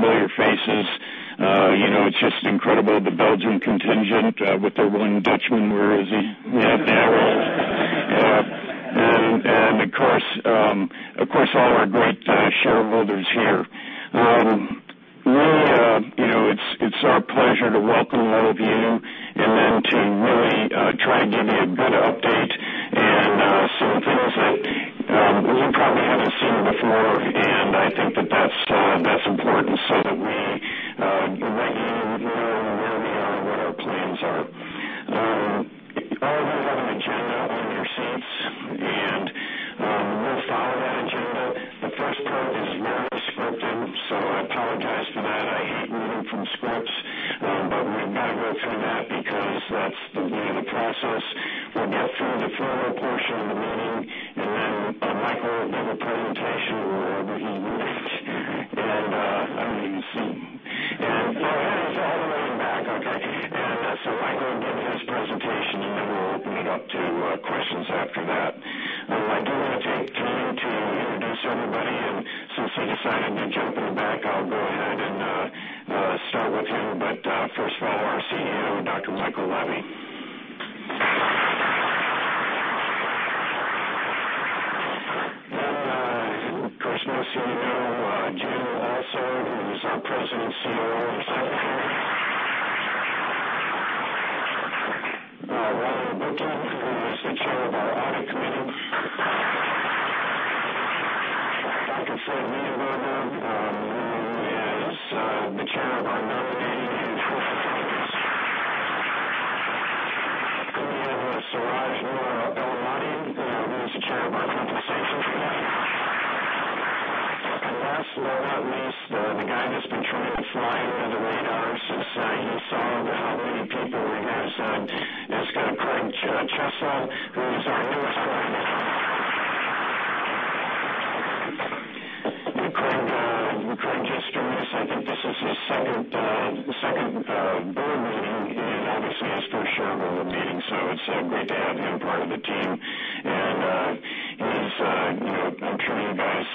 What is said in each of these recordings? Familiar faces. You know, it's just incredible, the Belgian contingent, with their one Dutchman. Where is he? Yeah, there he is. Of course, all our great shareholders here. We, you know, it's our pleasure to welcome all of you and then to really try and give you a good update and some things that you probably haven't seen before. I think that that's important so that we let you know where we are and what our plans are. All of you have an agenda on your seats, and we'll follow that agenda. The first part is very scripted, so I apologize for that. I hate reading from scripts, but we've gotta go through that because that's the beginning of the process. We'll get through the formal portion of the meeting, and then, Michael will give a presentation wherever he went. I'm here, you can see me. Michael will give his presentation, and then we'll open it up to questions after that. I do wanna take a minute to introduce everybody. Since he decided to jump in the back, I'll go ahead and start with him. First of all, our CEO, Dr. Michael Lebby. Of course, my COO, Jim Marcelli, who is our President and COO of Lightwave Logic. Ron Bucchi, who is the chair of our Audit Committee. Dr. Frederick Leonberger, who is the chair of our Nominating and Corporate Governance. Siraj Nour El-Ahmadi, who's the chair of our Compensation Committee. Last but not least, the guy that's been trying to fly under the radar since he saw how many people were here, so let's go to Craig Ciesla, who's our newest board member. Craig just joined us. I think this is his second board meeting, and obviously his first shareholder meeting, so it's great to have him part of the team. He's, you know, I'm sure you guys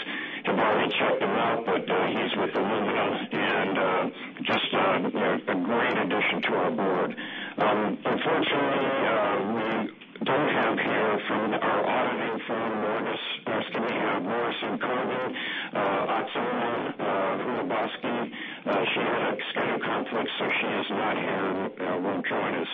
have already checked him out, but he's with Illumina, and just a great addition to our board. Unfortunately, we don't have her here from our auditing firm, Morison Cogen LLP, Oksana Hrudobasji. She had a schedule conflict, so she is not here and won't join us.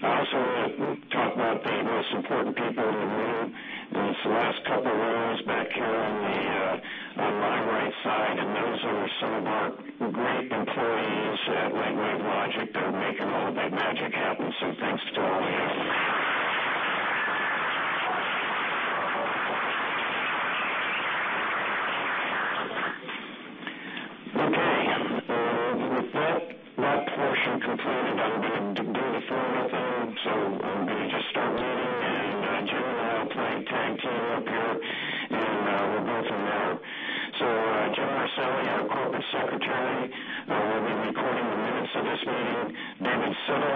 I also wanna talk about the most important people in the room. It's the last couple of rows back here on my right side, and those are some of our great employees at Lightwave Logic that are making all the magic happen, so thanks to all of you. Okay, with that portion completed of the formal things, so I'm gonna just start reading. Jim and I will tag team up here, and we'll go from there. Jim Marcelli, our corporate secretary, will be recording the minutes of this meeting. David Sido,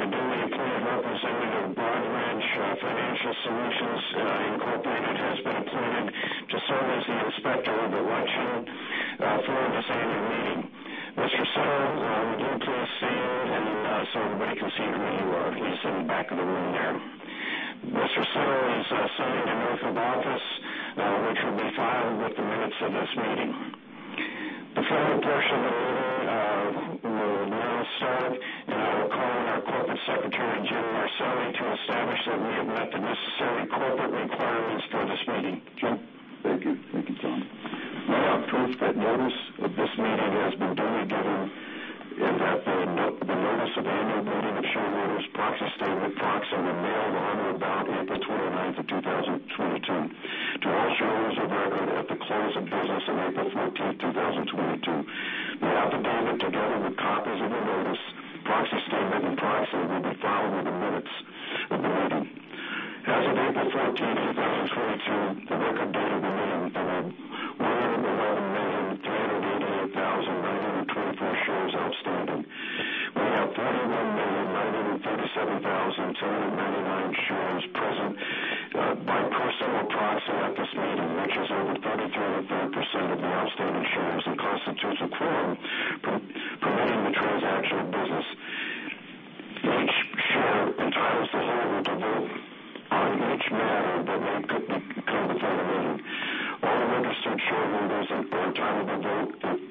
the duly appointed representative of Broadridge Financial Solutions, Incorporated, has been appointed to serve as the inspector of the election, for this annual meeting. Mr. Sido, would you please stand and so everybody can see where you are. He's in the back of the room there. Mr. Sido has signed an oath of office, which will be filed with the minutes of this meeting. The formal portion of the meeting, we're now set. I will call on our corporate secretary, Jim Marcelli, to establish that we have met the necessary corporate requirements for this meeting. Jim? Thank you. Thank you, Tom. I have proof that notice of this meeting has been duly given, and that the notice of annual meeting of shareholders, proxy statement, proxy were mailed on or about April 29, 2022 to all shareholders of record at the close of business on April 14, 2022. The affidavit, together with copies of the notice, proxy statement, and proxy will be filed with the minutes of the meeting. As of April 14, 2022, the record date of the meeting, there were 101,388,924 shares outstanding. We have 41,937,299 shares present by personal proxy at this meeting, which is over 33 1/3% of the outstanding shares and constitutes a quorum for doing the transaction of business. Each share entitles the holder to vote on each matter that may come before the meeting. All registered shareholders at the time of the vote.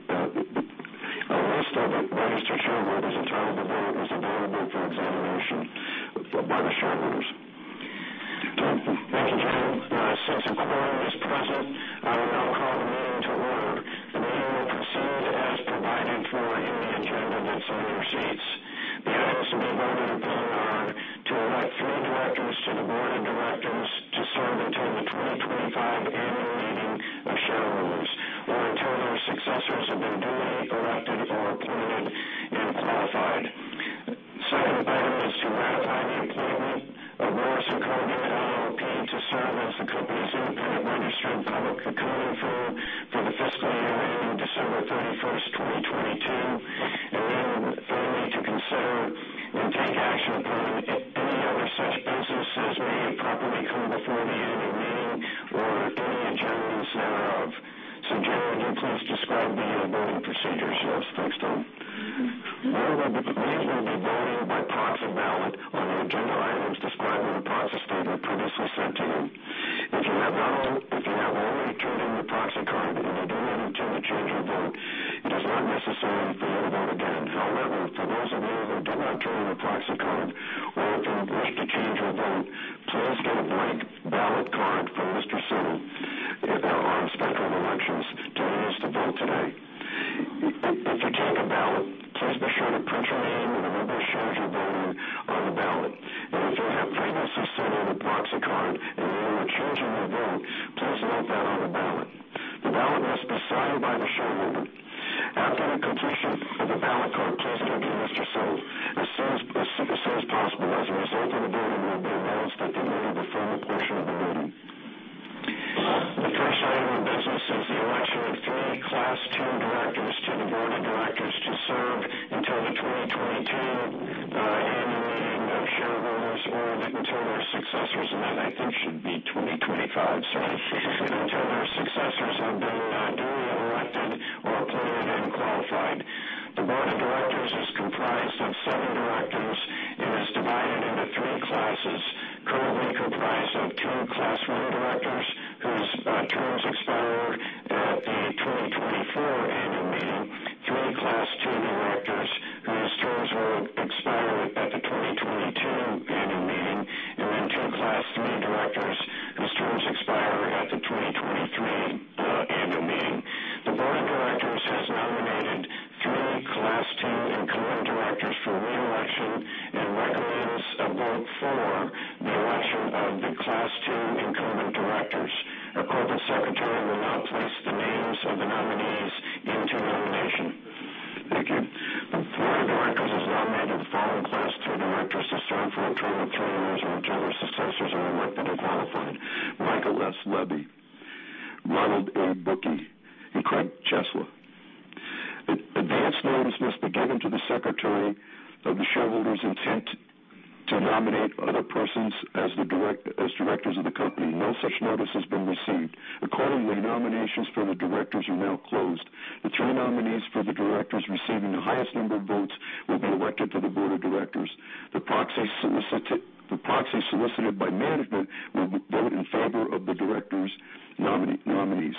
solicited by management will vote in favor of the directors' nominees.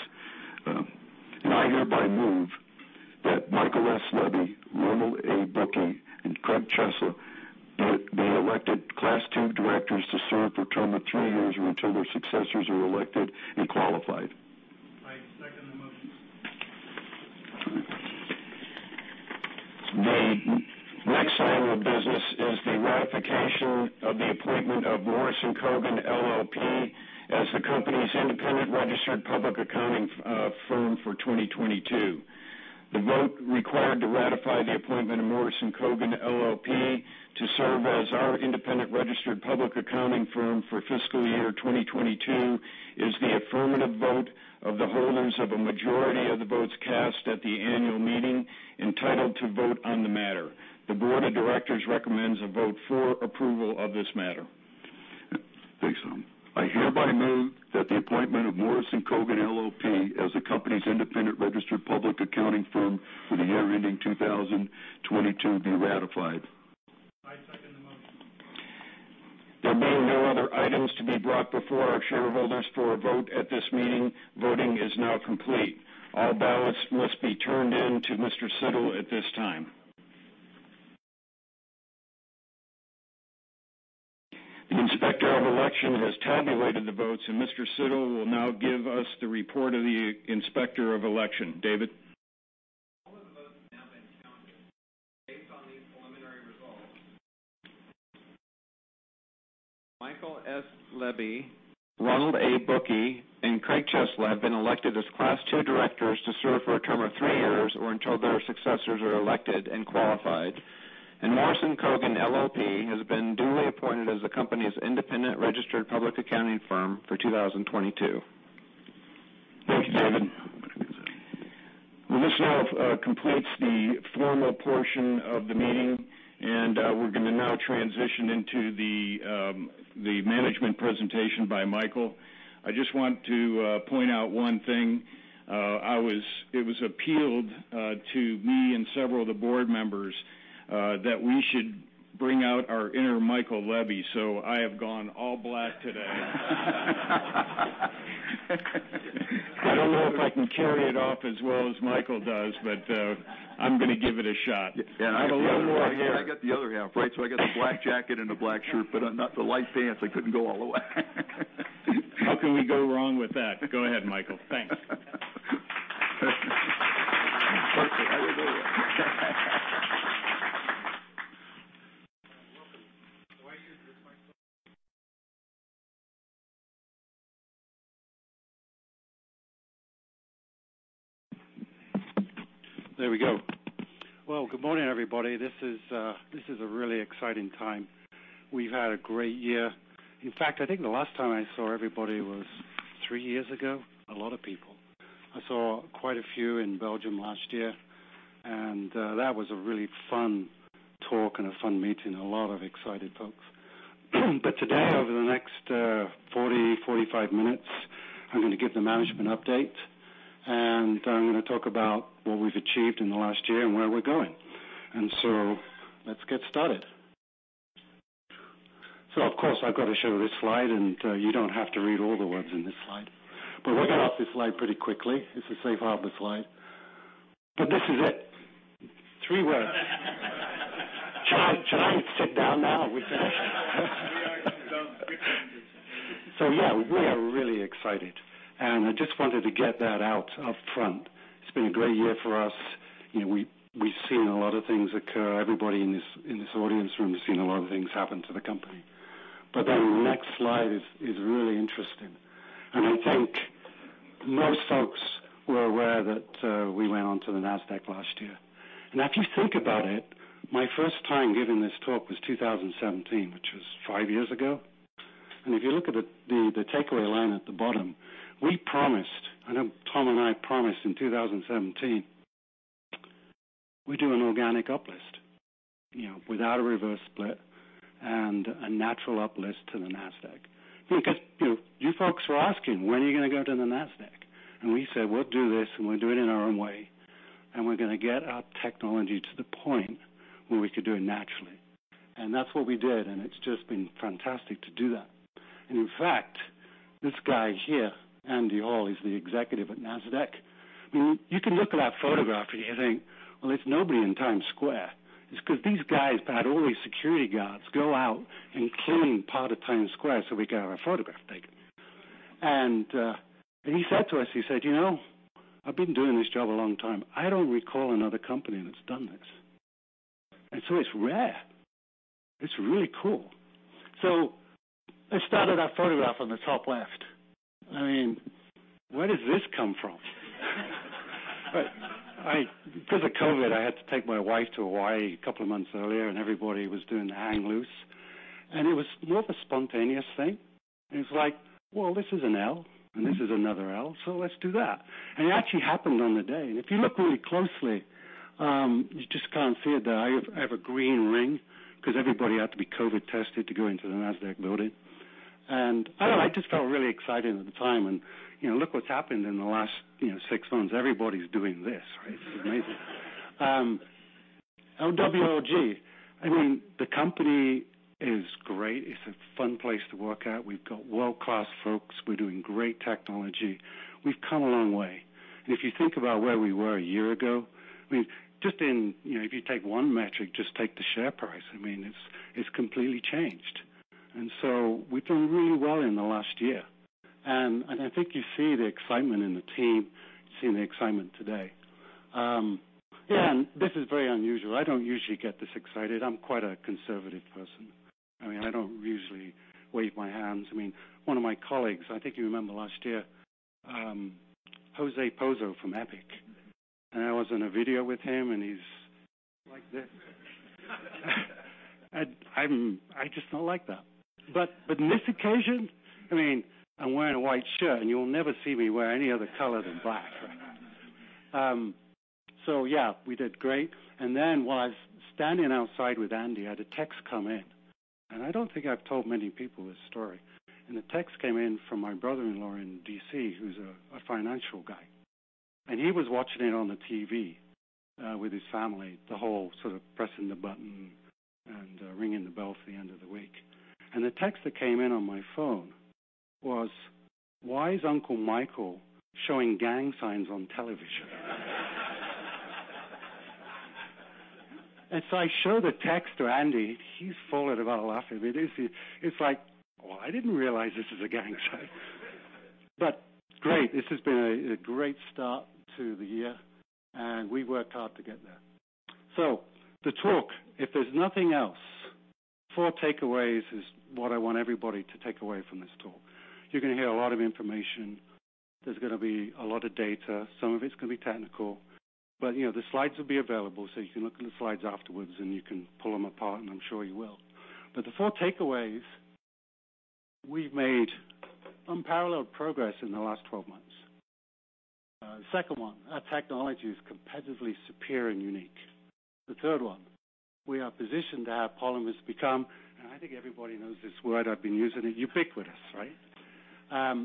I hereby move that Michael S. Lebby, Ronald A. Bucchi, and Craig Ciesla be elected Class Two directors to serve for a term of two years or until their successors are elected and qualified. I second the motion. The next item of business is the ratification of the appointment of Morison Cogen LLP as the company's independent registered public accounting firm for 2022. The vote required to ratify the appointment of Morison Cogen LLP to serve as our independent registered public accounting firm for fiscal year 2022 is the affirmative vote of the holders of a majority of the votes cast at the annual meeting entitled to vote on the matter. The board of directors recommends a vote for approval of this matter. Thanks, Tom. I hereby move that the appointment of Morison Cogen LLP as the company's independent registered public accounting firm for the year ending 2022 be ratified. I second the motion. There being no other items to be brought before our shareholders for a vote at this meeting, voting is now complete. All ballots must be turned in to Mr. Sido at this time. The Inspector of Elections has tabulated the votes, and Mr. Sido will now give us the report of the Inspector of Elections. David Sido. All of the votes have now been counted. Based on these preliminary results, Michael S. Lebby, Ronald A. Bucchi, and Craig Ciesla have been elected as Class Two directors to serve for a term of three years or until their successors are elected and qualified. Morison Cogen LLP has been duly appointed as the company's independent registered public accounting firm for 2022. Thank you, David. Well, this now completes the formal portion of the meeting, and we're gonna now transition into the management presentation by Michael. I just want to point out one thing. It was appealed to me and several of the board members that we should bring out our inner Michael Lebby, so I have gone all black today. I don't know if I can carry it off as well as Michael does, but I'm gonna give it a shot. I have a little more hair. I got the other half, right? I got the black jacket and a black shirt, but I'm not the light pants. I couldn't go all the way. How can we go wrong with that? Go ahead, Michael. Thanks. Perfect. I will go with that. Welcome. I use this microphone. There we go. Well, good morning, everybody. This is a really exciting time. We've had a great year. In fact, I think the last time I saw everybody was three years ago. A lot of people. I saw quite a few in Belgium last year. That was a really fun talk and a fun meeting. A lot of excited folks. Today, over the next 40-45 minutes, I'm gonna give the management update, and I'm gonna talk about what we've achieved in the last year and where we're going. Let's get started. Of course, I've got to show this slide, and you don't have to read all the words in this slide. We'll get off this slide pretty quickly. It's a safe harbor slide. This is it. three words. Can I sit down now? We can. Yeah, we are really excited. I just wanted to get that out up front. It's been a great year for us. You know, we've seen a lot of things occur. Everybody in this audience room has seen a lot of things happen to the company. That next slide is really interesting. I think most folks were aware that we went on to the Nasdaq last year. If you think about it, my first time giving this talk was 2017, which was five years ago. If you look at the takeaway line at the bottom, we promised. I know Tom and I promised in 2017, we'd do an organic uplist, you know, without a reverse split and a natural uplist to the Nasdaq. You folks were asking, "When are you gonna go to the Nasdaq?" We said, "We'll do this, and we'll do it in our own way. We're gonna get our technology to the point where we could do it naturally." That's what we did, and it's just been fantastic to do that. In fact, this guy here, Andy Hall, he's the executive at Nasdaq. I mean, you can look at that photograph and you think, "Well, there's nobody in Times Square." It's 'cause these guys paid all these security guards go out and clean part of Times Square, so we got our photograph taken. He said to us, he said, "You know, I've been doing this job a long time. I don't recall another company that's done this." It's rare. It's really cool. I started our photograph on the top left. I mean, where does this come from? Because of COVID, I had to take my wife to Hawaii a couple of months earlier, and everybody was doing the hang loose. It was more of a spontaneous thing. It was like, "Well, this is an L, and this is another L, so let's do that." It actually happened on the day. If you look really closely, you just can't see it there. I have a green ring 'cause everybody had to be COVID tested to go into the Nasdaq building. I just felt really excited at the time and, you know, look what's happened in the last, you know, six months. Everybody's doing this, right? It's amazing. Oh, LWLG. I mean, the company is great. It's a fun place to work at. We've got world-class folks. We're doing great technology. We've come a long way. If you think about where we were a year ago, I mean, just in, you know, if you take one metric, just take the share price. I mean, it's completely changed. We've done really well in the last year. I think you see the excitement in the team. You see the excitement today. This is very unusual. I don't usually get this excited. I'm quite a conservative person. I mean, I don't usually wave my hands. I mean, one of my colleagues, I think you remember last year, Jose Pozo from EPIC. I was in a video with him, and he's like this. I just don't like that. In this occasion, I mean, I'm wearing a white shirt, and you'll never see me wear any other color than black. We did great. Then while I was standing outside with Andy, I had a text come in. I don't think I've told many people this story. A text came in from my brother-in-law in D.C., who's a financial guy. He was watching it on the TV with his family, the whole sort of pressing the button and ringing the bell at the end of the week. The text that came in on my phone was, "Why is Uncle Michael showing gang signs on television?" I show the text to Andy. He's falling about laughing. It is. It's like, "Oh, I didn't realize this is a gang sign." Great. This has been a great start to the year, and we worked hard to get there. The talk, if there's nothing else, four takeaways is what I want everybody to take away from this talk. You're gonna hear a lot of information. There's gonna be a lot of data. Some of it's gonna be technical. You know, the slides will be available, so you can look at the slides afterwards, and you can pull them apart, and I'm sure you will. The four takeaways, we've made unparalleled progress in the last 12 months. The second one, our technology is competitively superior and unique. The third one, we are positioned to have polymers become, and I think everybody knows this word, I've been using it, ubiquitous, right?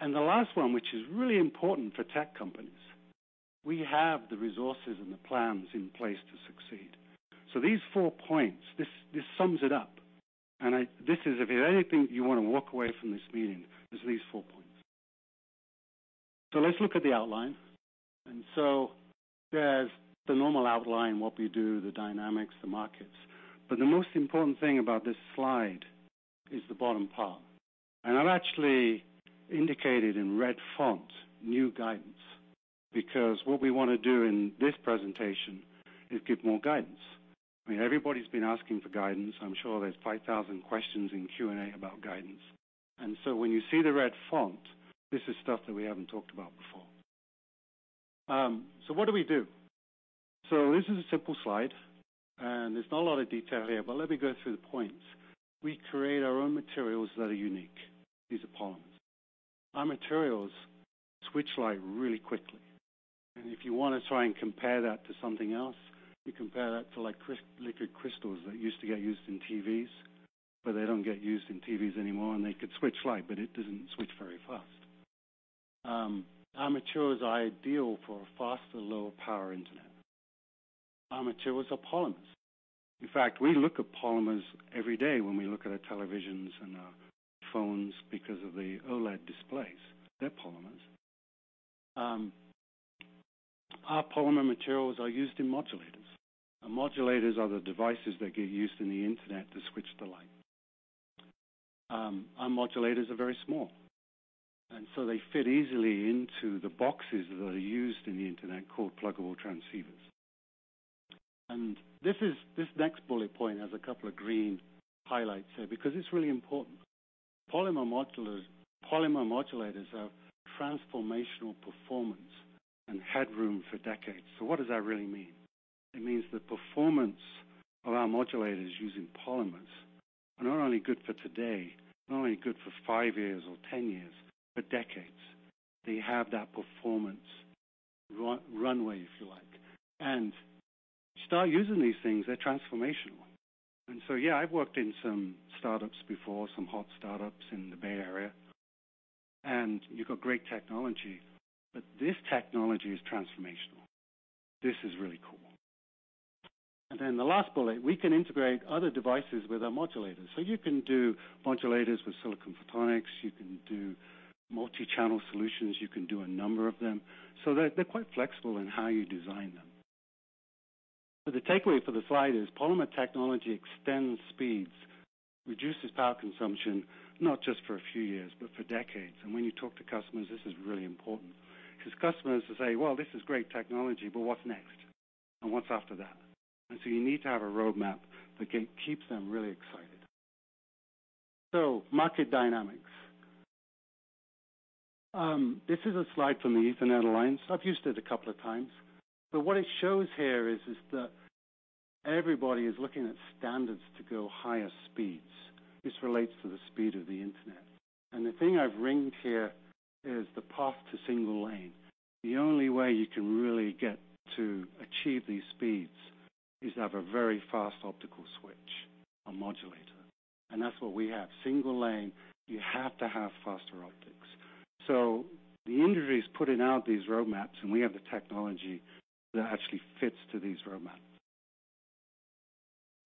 And the last one, which is really important for tech companies, we have the resources and the plans in place to succeed. These 4 points, this sums it up. This is if there's anything you wanna walk away from this meeting is these four points. Let's look at the outline. There's the normal outline, what we do, the dynamics, the markets. The most important thing about this slide is the bottom part. I've actually indicated in red font, new guidance, because what we wanna do in this presentation is give more guidance. I mean, everybody's been asking for guidance. I'm sure there's 5,000 questions in Q&A about guidance. When you see the red font, this is stuff that we haven't talked about before. What do we do? This is a simple slide, and there's not a lot of detail here, but let me go through the points. We create our own materials that are unique. These are polymers. Our materials switch light really quickly. If you wanna try and compare that to something else, you compare that to like liquid crystals that used to get used in TVs, but they don't get used in TVs anymore, and they could switch light, but it doesn't switch very fast. Our materials are ideal for faster, lower power internet. Our materials are polymers. In fact, we look at polymers every day when we look at our televisions and our phones because of the OLED displays. They're polymers. Our polymer materials are used in modulators. Modulators are the devices that get used in the internet to switch the light. Our modulators are very small, and so they fit easily into the boxes that are used in the internet called pluggable transceivers. This next bullet point has a couple of green highlights here because it's really important. Polymer modulators, polymer modulators have transformational performance and headroom for decades. So what does that really mean? It means the performance of our modulators using polymers are not only good for today, not only good for five years or 10 years, but decades. They have that performance run, runway, if you like. Start using these things, they're transformational. Yeah, I've worked in some startups before, some hot startups in the Bay Area, and you've got great technology. This technology is transformational. This is really cool. Then the last bullet, we can integrate other devices with our modulators. So you can do modulators with silicon photonics, you can do multi-channel solutions, you can do a number of them, so they're quite flexible in how you design them. The takeaway for the slide is polymer technology extends speeds, reduces power consumption, not just for a few years, but for decades. When you talk to customers, this is really important 'cause customers will say, "Well, this is great technology, but what's next? And what's after that?" You need to have a roadmap that keeps them really excited. Market dynamics. This is a slide from the Ethernet Alliance. I've used it a couple of times, but what it shows here is that everybody is looking at standards to go higher speeds. This relates to the speed of the internet. The thing I've ringed here is the path to single lane. The only way you can really get to achieve these speeds is to have a very fast optical switch or modulator. That's what we have. Single lane, you have to have faster optics. The industry is putting out these roadmaps, and we have the technology that actually fits to these roadmaps.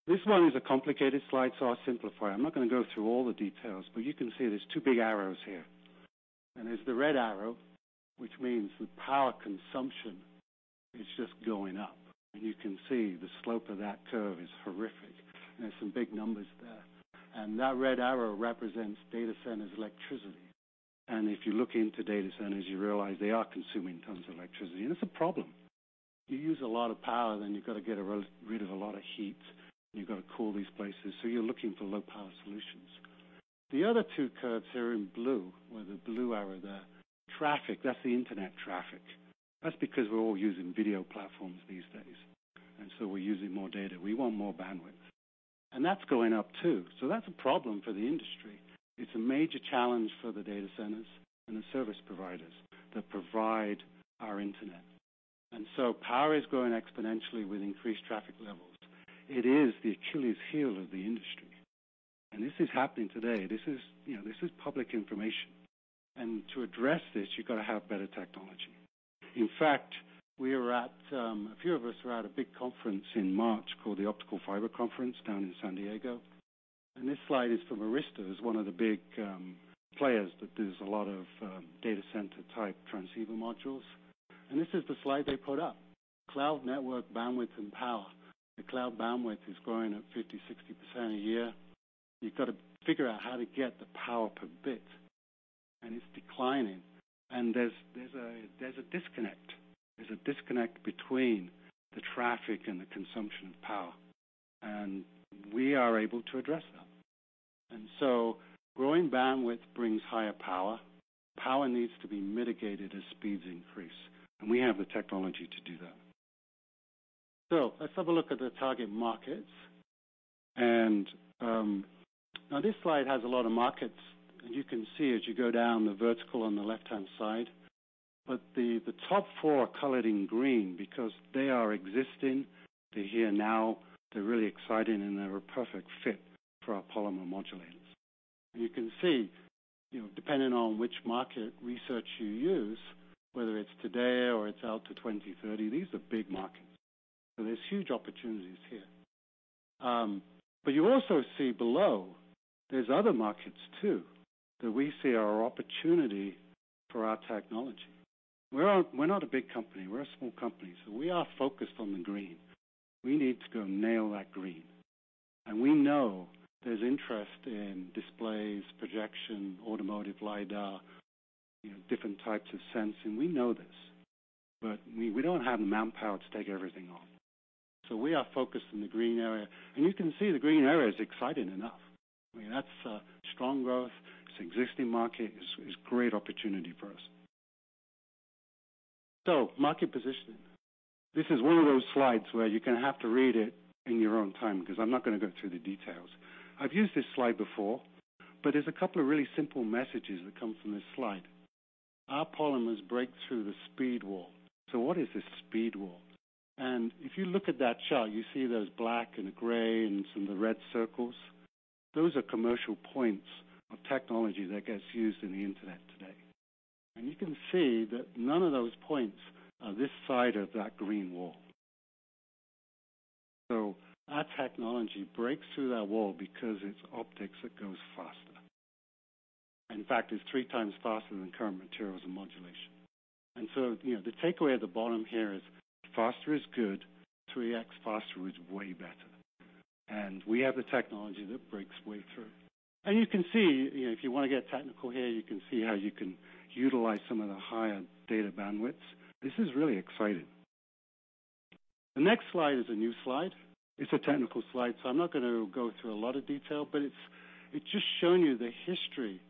This one is a complicated slide, so I'll simplify it. I'm not gonna go through all the details, but you can see there's two big arrows here. There's the red arrow, which means the power consumption is just going up. You can see the slope of that curve is horrific, and there's some big numbers there. That red arrow represents data centers' electricity. If you look into data centers, you realize they are consuming tons of electricity, and it's a problem. You use a lot of power, then you've got to get rid of a lot of heat, and you've got to cool these places, so you're looking for low power solutions. The other two curves here in blue, or the blue arrow there, traffic, that's the internet traffic. That's because we're all using video platforms these days, and so we're using more data. We want more bandwidth. That's going up, too. That's a problem for the industry. It's a major challenge for the data centers and the service providers that provide our internet. Power is growing exponentially with increased traffic levels. It is the Achilles' heel of the industry. This is happening today. This is, you know, this is public information. To address this, you've got to have better technology. In fact, we are at, a few of us are at a big conference in March called the Optical Fiber Conference down in San Diego. This slide is from Arista, who's one of the big players that does a lot of data center type transceiver modules. This is the slide they put up. Cloud network bandwidth and power. The cloud bandwidth is growing at 50%-60% a year. You've got to figure out how to get the power per bit, and it's declining. There's a disconnect. There's a disconnect between the traffic and the consumption of power, and we are able to address that. Growing bandwidth brings higher power. Power needs to be mitigated as speeds increase, and we have the technology to do that. Let's have a look at the target markets. Now this slide has a lot of markets, and you can see as you go down the vertical on the left-hand side. The top four are colored in green because they are existing, they're here now, they're really exciting, and they're a perfect fit for our polymer modulators. You can see, you know, depending on which market research you use, whether it's today or it's out to 2030, these are big markets. There's huge opportunities here. You also see below there's other markets too, that we see are opportunity for our technology. We're not a big company, we're a small company, so we are focused on the green. We need to go nail that green. We know there's interest in displays, projection, automotive LIDAR, you know, different types of sensing. We know this. We don't have the manpower to take everything on. We are focused on the green area. You can see the green area is exciting enough. I mean, that's strong growth. It's existing market. It's great opportunity for us. Market positioning. This is one of those slides where you're gonna have to read it in your own time, because I'm not gonna go through the details. I've used this slide before, but there's a couple of really simple messages that come from this slide. Our polymers break through the speed wall. What is this speed wall? If you look at that chart, you see those black and the gray and some of the red circles. Those are commercial points of technology that gets used in the Internet today. You can see that none of those points are this side of that green wall. Our technology breaks through that wall because it's optics that goes faster. In fact, it's three times faster than current materials and modulation. You know, the takeaway at the bottom here is faster is good, 3x faster is way better. We have the technology that breakthrough. You can see, you know, if you wanna get technical here, you can see how you can utilize some of the higher data bandwidths. This is really exciting. The next slide is a new slide. It's a technical slide, so I'm not gonna go through a lot of detail, but it's just showing you the history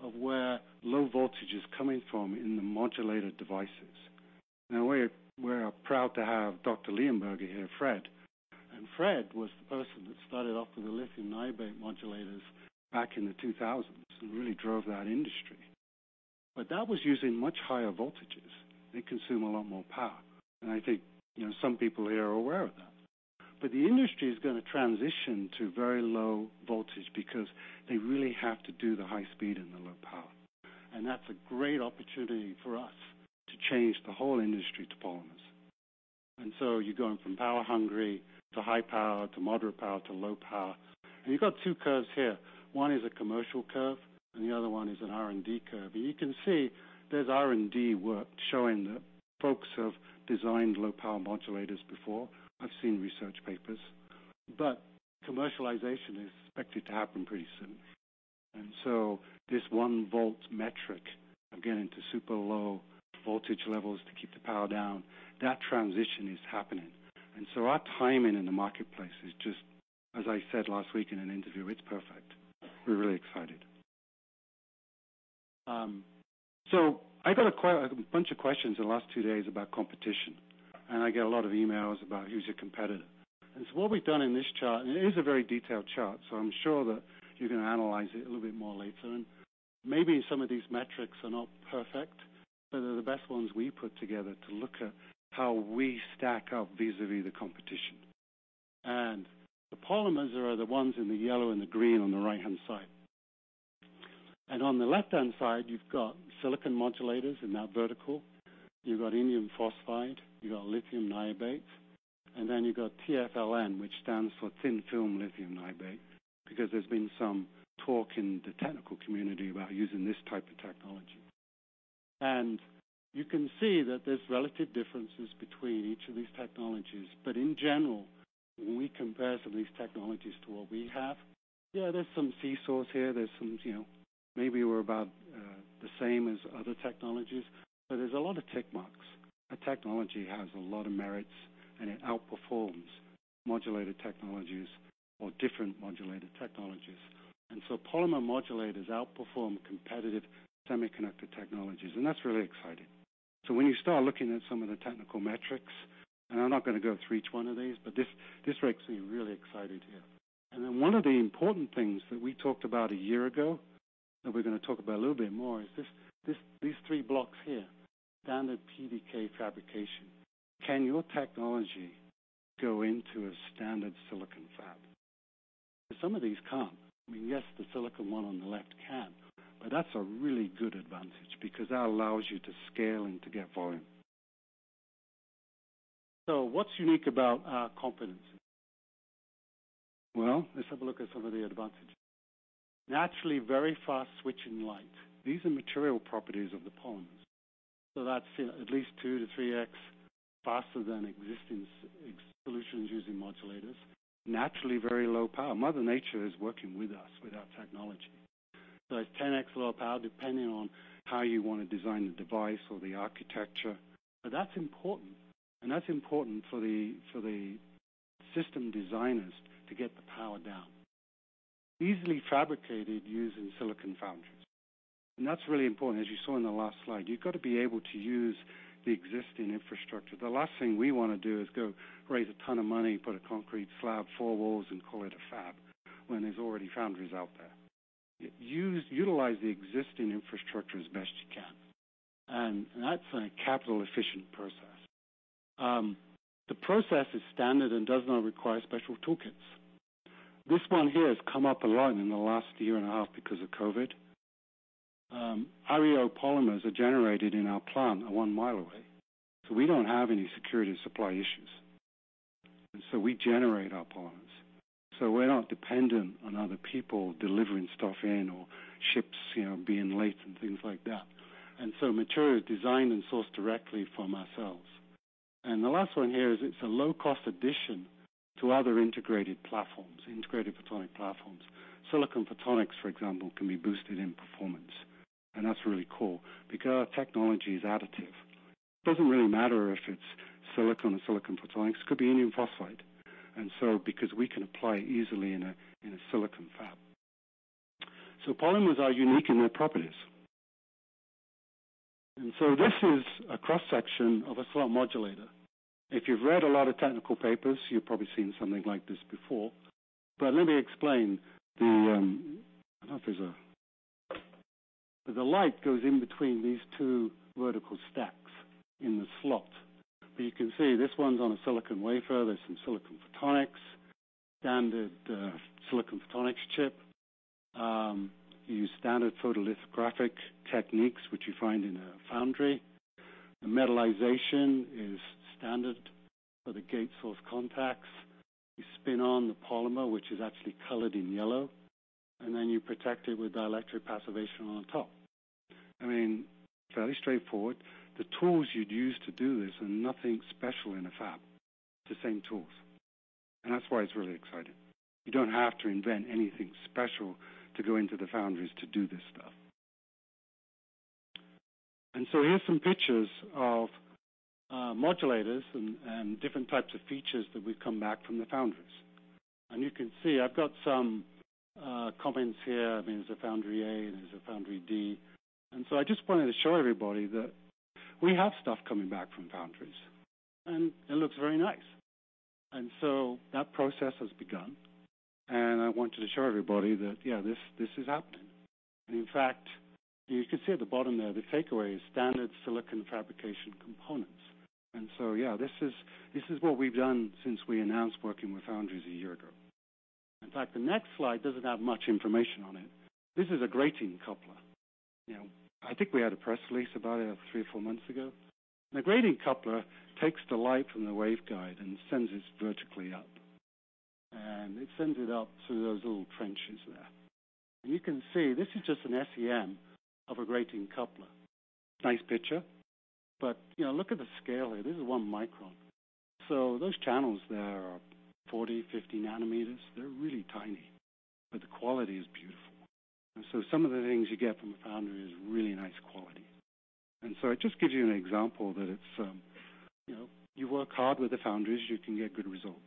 of where low voltage is coming from in the modulator devices. Now we're proud to have Dr. Leonberger here, Fred. Fred was the person that started off with the lithium niobate modulators back in the 2000s and really drove that industry. That was using much higher voltages. They consume a lot more power. I think, you know, some people here are aware of that. The industry is gonna transition to very low voltage because they really have to do the high speed and the low power. That's a great opportunity for us to change the whole industry to polymers. You're going from power hungry to high power to moderate power to low power. You've got two curves here. One is a commercial curve and the other one is an R&D curve. You can see there's R&D work showing that folks have designed low power modulators before. I've seen research papers, but commercialization is expected to happen pretty soon. This one volt metric of getting to super low voltage levels to keep the power down, that transition is happening. Our timing in the marketplace is just as I said last week in an interview, it's perfect. We're really excited. I got a bunch of questions in the last two days about competition, and I get a lot of emails about who's your competitor. What we've done in this chart, and it is a very detailed chart, so I'm sure that you're gonna analyze it a little bit more later. Maybe some of these metrics are not perfect, but they're the best ones we put together to look at how we stack up vis-a-vis the competition. The polymers are the ones in the yellow and the green on the right-hand side. On the left-hand side you've got silicon modulators in that vertical. You've got indium phosphide, you've got lithium niobate, and then you've got TFLN which stands for thin-film lithium niobate, because there's been some talk in the technical community about using this type of technology. You can see that there's relative differences between each of these technologies. In general, when we compare some of these technologies to what we have, yeah, there's some seesaws here, there's some, you know, maybe we're about the same as other technologies, but there's a lot of tick marks. Our technology has a lot of merits, and it outperforms modulator technologies or different modulator technologies. Polymer modulators outperform competitive semiconductor technologies, and that's really exciting. When you start looking at some of the technical metrics, and I'm not gonna go through each one of these, but this makes me really excited here. One of the important things that we talked about a year ago, that we're gonna talk about a little bit more, is these three blocks here, standard PDK fabrication. Can your technology go into a standard silicon fab? Some of these can't. I mean, yes, the silicon one on the left can, but that's a really good advantage because that allows you to scale and to get volume. What's unique about our competencies? Well, let's have a look at some of the advantages. Naturally very fast switching light. These are material properties of the polymers. That's at least 2-3x faster than existing solutions using modulators. Naturally very low power. Mother Nature is working with us with our technology. It's 10x low power depending on how you wanna design the device or the architecture. That's important for the system designers to get the power down. Easily fabricated using silicon foundries. That's really important. As you saw in the last slide, you've got to be able to use the existing infrastructure. The last thing we wanna do is go raise a ton of money, put a concrete slab, four walls, and call it a fab when there's already foundries out there. Utilize the existing infrastructure as best you can, and that's a capital efficient process. The process is standard and does not require special toolkits. This one here has come up a lot in the last year and a half because of COVID. EO polymers are generated in our plant one mile away, so we don't have any security of supply issues. We generate our polymers, so we're not dependent on other people delivering stuff in or ships, you know, being late and things like that. Material is designed and sourced directly from ourselves. The last one here is it's a low cost addition to other integrated platforms, integrated photonic platforms. Silicon photonics, for example, can be boosted in performance, and that's really cool because our technology is additive. It doesn't really matter if it's silicon or silicon photonics. It could be indium phosphide. Because we can apply easily in a silicon fab. Polymers are unique in their properties. This is a cross-section of a slot modulator. If you've read a lot of technical papers, you've probably seen something like this before. But let me explain. I don't know if there's a The light goes in between these two vertical stacks in the slot. You can see this one's on a silicon wafer. There's some silicon photonics, standard, silicon photonics chip. You use standard photolithographic techniques, which you find in a foundry. The metallization is standard for the gate source contacts. You spin on the polymer, which is actually colored in yellow, and then you protect it with dielectric passivation on top. I mean, fairly straightforward. The tools you'd use to do this are nothing special in a fab. It's the same tools, and that's why it's really exciting. You don't have to invent anything special to go into the foundries to do this stuff. Here's some pictures of modulators and different types of features that we've come back from the foundries. You can see I've got some comments here. I mean, there's a foundry A, and there's a foundry D. I just wanted to show everybody that we have stuff coming back from foundries, and it looks very nice. That process has begun, and I wanted to show everybody that, yeah, this is happening. In fact, you can see at the bottom there, the takeaway is standard silicon fabrication components. Yeah, this is what we've done since we announced working with foundries a year ago. In fact, the next slide doesn't have much information on it. This is a grating coupler. You know, I think we had a press release about it three or four months ago. A grating coupler takes the light from the waveguide and sends it vertically up, and it sends it up through those little trenches there. You can see this is just an SEM of a grating coupler. Nice picture, but, you know, look at the scale here. This is one micron. So those channels there are 40, 50 nanometers. They're really tiny, but the quality is beautiful. Some of the things you get from the foundry is really nice quality. It just gives you an example that it's, you know, you work hard with the foundries, you can get good results.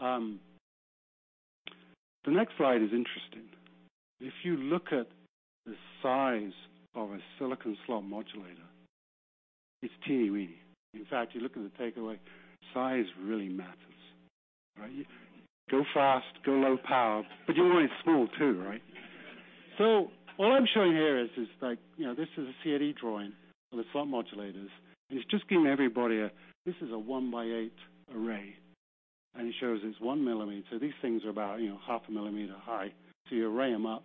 The next slide is interesting. If you look at the size of a silicon slot modulator, it's teeny-weeny. In fact, you look at the takeaway, size really matters, right? Go fast, go low power, but you want it small too, right? So all I'm showing here is like, you know, this is a CAD drawing of the slot modulators, and it's just giving everybody a. This is a 1-by-8 array, and it shows it's 1 millimeter. These things are about, you know, half a millimeter high. You array them up,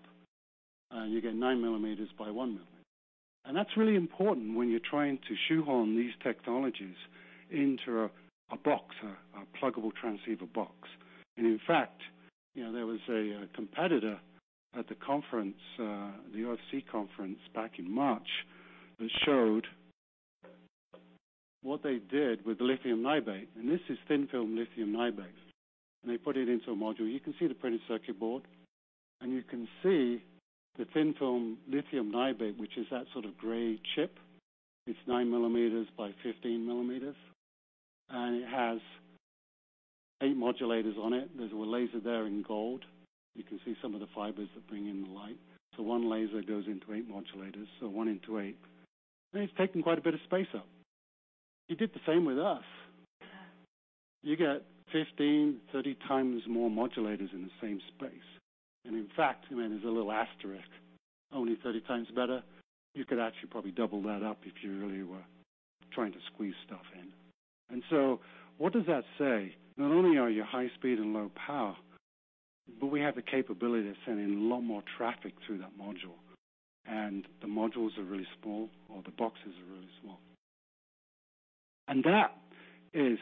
and you get 9 millimeters by 1 millimeter. That's really important when you're trying to shoehorn these technologies into a box, a pluggable transceiver box. In fact, you know, there was a competitor at the conference, the OFC conference back in March that showed what they did with lithium niobate, and this is thin-film lithium niobate, and they put it into a module. You can see the printed circuit board, and you can see the thin-film lithium niobate, which is that sort of gray chip. It's 9 millimeters by 15 millimeters, and it has 8 modulators on it. There's a laser there in gold. You can see some of the fibers that bring in the light. One laser goes into eight modulators, one into eight, and it's taking quite a bit of space up. You did the same with us. You get 15, 30 times more modulators in the same space. In fact, I mean, there's a little asterisk, only 30 times better. You could actually probably double that up if you really were trying to squeeze stuff in. What does that say? Not only are you high speed and low power, but we have the capability to send in a lot more traffic through that module, and the modules are really small, or the boxes are really small. That is,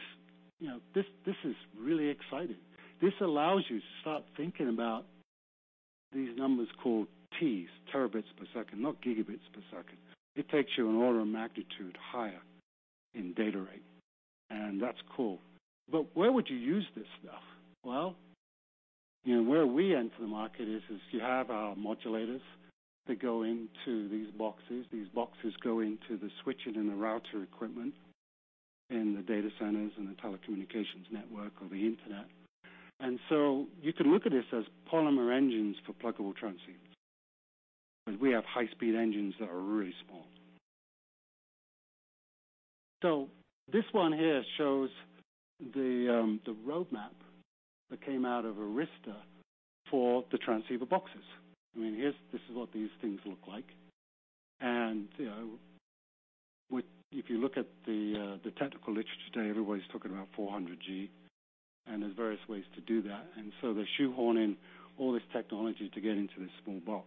you know, this is really exciting. This allows you to start thinking about these numbers called Ts, terabits per second, not gigabits per second. It takes you an order of magnitude higher in data rate, and that's cool. Where would you use this stuff? Well, you know, where we enter the market is you have our modulators that go into these boxes. These boxes go into the switches and the router equipment in the data centers and the telecommunications network or the internet. You can look at this as polymer engines for pluggable transceivers, because we have high-speed engines that are really small. This one here shows the roadmap that came out of Arista for the transceiver boxes. I mean, here's this is what these things look like. You know, if you look at the technical literature today, everybody's talking about 400 G, and there's various ways to do that. They're shoehorning all this technology to get into this small box,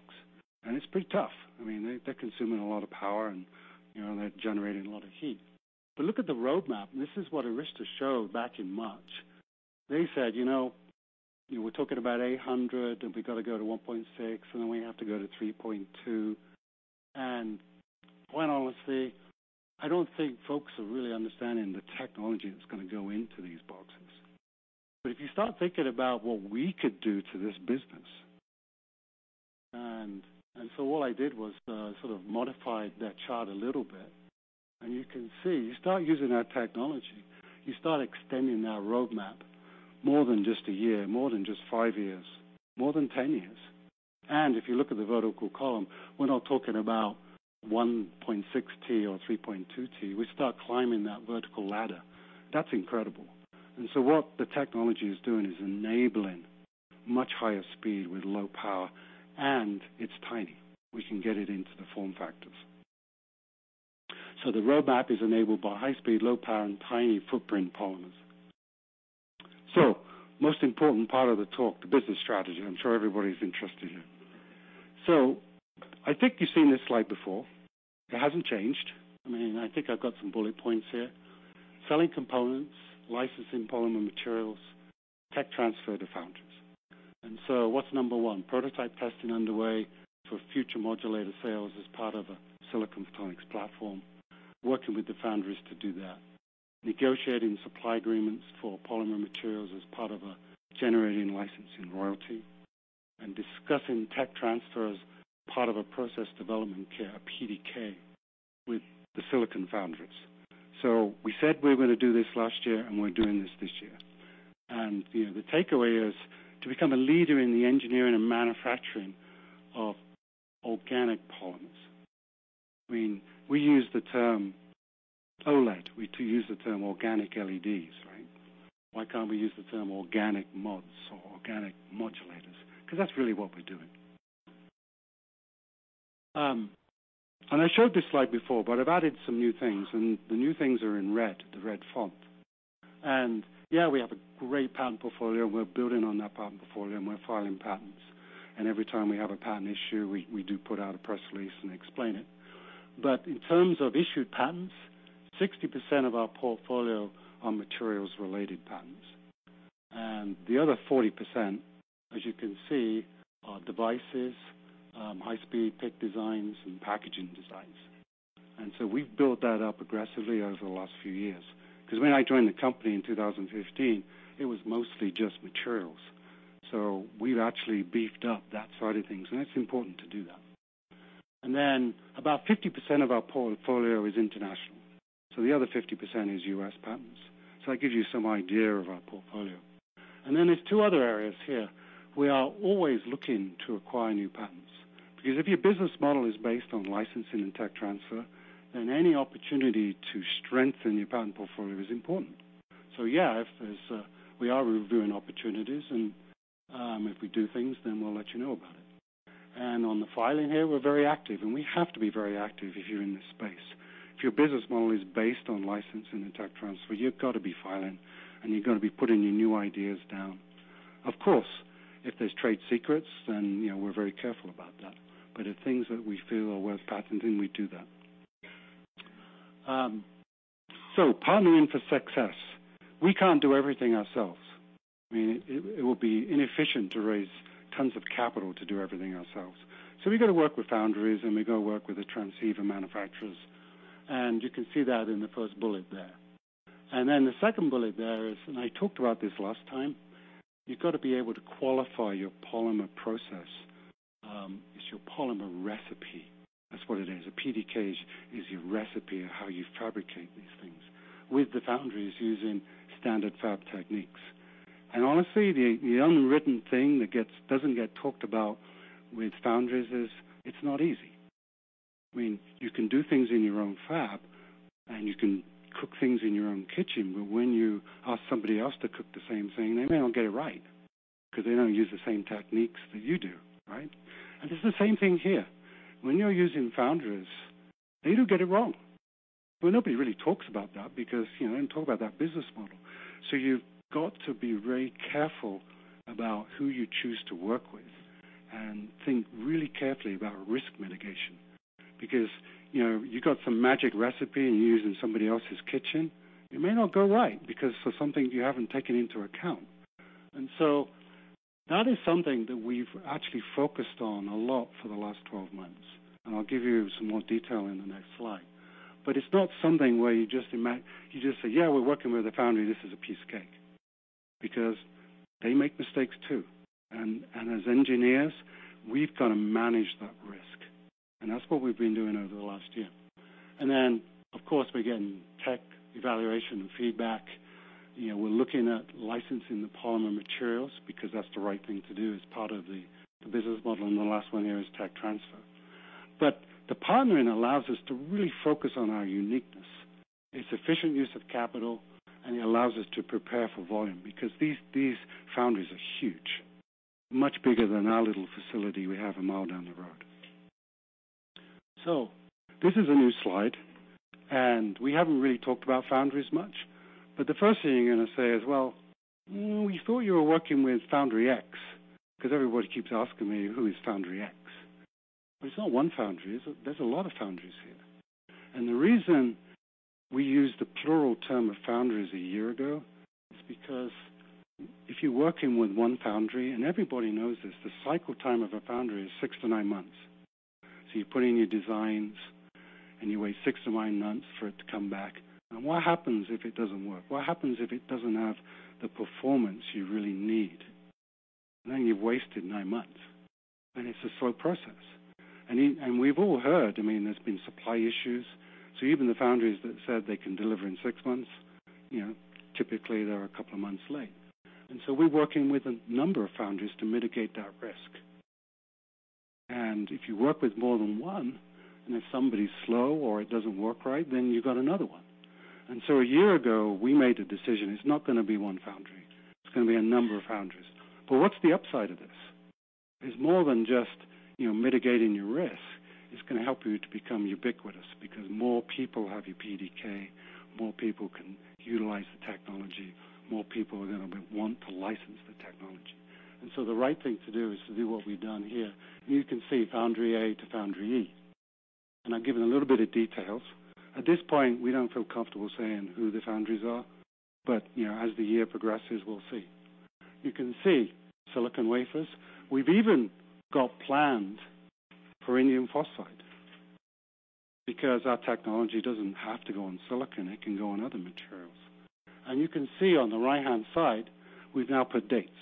and it's pretty tough. I mean, they're consuming a lot of power and, you know, they're generating a lot of heat. Look at the roadmap, and this is what Arista showed back in March. They said, "You know, we're talking about 800, and we've got to go to 1.6, and then we have to go to 3.2." Quite honestly, I don't think folks are really understanding the technology that's gonna go into these boxes. If you start thinking about what we could do to this business, so what I did was sort of modified that chart a little bit. You can see, you start using our technology, you start extending our roadmap more than just a year, more than just five years, more than just 10 years. If you look at the vertical column, we're not talking about 1.6 T or 3.2 T. We start climbing that vertical ladder. That's incredible. What the technology is doing is enabling much higher speed with low power, and it's tiny. We can get it into the form factors. The roadmap is enabled by high speed, low power, and tiny footprint polymers. Most important part of the talk, the business strategy. I'm sure everybody's interested in. I think you've seen this slide before. It hasn't changed. I mean, I think I've got some bullet points here. Selling components, licensing polymer materials, tech transfer to foundries. What's number one? Prototype testing underway for future modulator sales as part of a silicon photonics platform. Working with the foundries to do that. Negotiating supply agreements for polymer materials as part of a generating licensing royalty and discussing tech transfers, part of a process development kit, a PDK, with the silicon foundries. We said we were gonna do this last year, and we're doing this year. You know, the takeaway is to become a leader in the engineering and manufacturing of organic polymers. I mean, we use the term OLED. We use the term organic LEDs, right? Why can't we use the term organic mods or organic modulators? Because that's really what we're doing. I showed this slide before, but I've added some new things, and the new things are in red, the red font. Yeah, we have a great patent portfolio. We're building on that patent portfolio, and we're filing patents. Every time we have a patent issue, we do put out a press release and explain it. But in terms of issued patents, 60% of our portfolio are materials-related patents. The other 40%, as you can see, are devices, high-speed PIC designs, and packaging designs. We've built that up aggressively over the last few years, because when I joined the company in 2015, it was mostly just materials. We've actually beefed up that side of things, and it's important to do that. About 50% of our portfolio is international, so the other 50% is U.S. patents. That gives you some idea of our portfolio. There's two other areas here. We are always looking to acquire new patents, because if your business model is based on licensing and tech transfer, then any opportunity to strengthen your patent portfolio is important. Yeah, if there's we are reviewing opportunities, and if we do things, then we'll let you know about it. On the filing here, we're very active, and we have to be very active if you're in this space. If your business model is based on licensing and tech transfer, you've got to be filing, and you're gonna be putting your new ideas down. Of course, if there's trade secrets, then you know, we're very careful about that. If things that we feel are worth patenting, we do that. Partnering for success. We can't do everything ourselves. I mean, it will be inefficient to raise tons of capital to do everything ourselves. We got to work with foundries, and we go work with the transceiver manufacturers, and you can see that in the first bullet there. The second bullet there is, and I talked about this last time, you've got to be able to qualify your polymer process. It's your polymer recipe. That's what it is. A PDK is your recipe of how you fabricate these things with the foundries using standard fab techniques. Honestly, the unwritten thing that doesn't get talked about with foundries is it's not easy. I mean, you can do things in your own fab, and you can cook things in your own kitchen, but when you ask somebody else to cook the same thing, they may not get it right because they don't use the same techniques that you do, right? It's the same thing here. When you're using foundries, they do get it wrong. Nobody really talks about that because, you know, you don't talk about that business model. You've got to be very careful about who you choose to work with and think really carefully about risk mitigation. Because, you know, you got some magic recipe, and you use it in somebody else's kitchen, it may not go right because of something you haven't taken into account. That is something that we've actually focused on a lot for the last 12 months, and I'll give you some more detail in the next slide. It's not something where you just say, "Yeah, we're working with a foundry. This is a piece of cake." Because they make mistakes too. As engineers, we've got to manage that risk, and that's what we've been doing over the last year. Then, of course, we're getting tech evaluation feedback. You know, we're looking at licensing the polymer materials because that's the right thing to do as part of the business model, and the last one here is tech transfer. The partnering allows us to really focus on our uniqueness. It's efficient use of capital, and it allows us to prepare for volume because these foundries are huge, much bigger than our little facility we have a mile down the road. This is a new slide, and we haven't really talked about foundries much. The first thing you're gonna say is, "Well, we thought you were working with Foundry X," because everybody keeps asking me, "Who is Foundry X?" It's not one foundry. There's a lot of foundries here. The reason we used the plural term of foundries 1 year ago is because if you're working with one foundry, and everybody knows this, the cycle time of a foundry is 6-9 months. You put in your designs, and you wait 6-9 months for it to come back. What happens if it doesn't work? What happens if it doesn't have the performance you really need? You've wasted nine months, and it's a slow process. We've all heard, I mean, there's been supply issues. Even the foundries that said they can deliver in six months, you know, typically they're a couple of months late. We're working with a number of foundries to mitigate that risk. If you work with more than one, and if somebody's slow or it doesn't work right, then you've got another one. A year ago, we made a decision. It's not going to be one foundry, it's going to be a number of foundries. What's the upside of this? It's more than just, you know, mitigating your risk. It's going to help you to become ubiquitous because more people have your PDK, more people can utilize the technology, more people are going to want to license the technology. The right thing to do is to do what we've done here. You can see Foundry A to Foundry E. I've given a little bit of details. At this point, we don't feel comfortable saying who the foundries are. You know, as the year progresses, we'll see. You can see silicon wafers. We've even got planned for indium phosphide, because our technology doesn't have to go on silicon, it can go on other materials. You can see on the right-hand side, we've now put dates,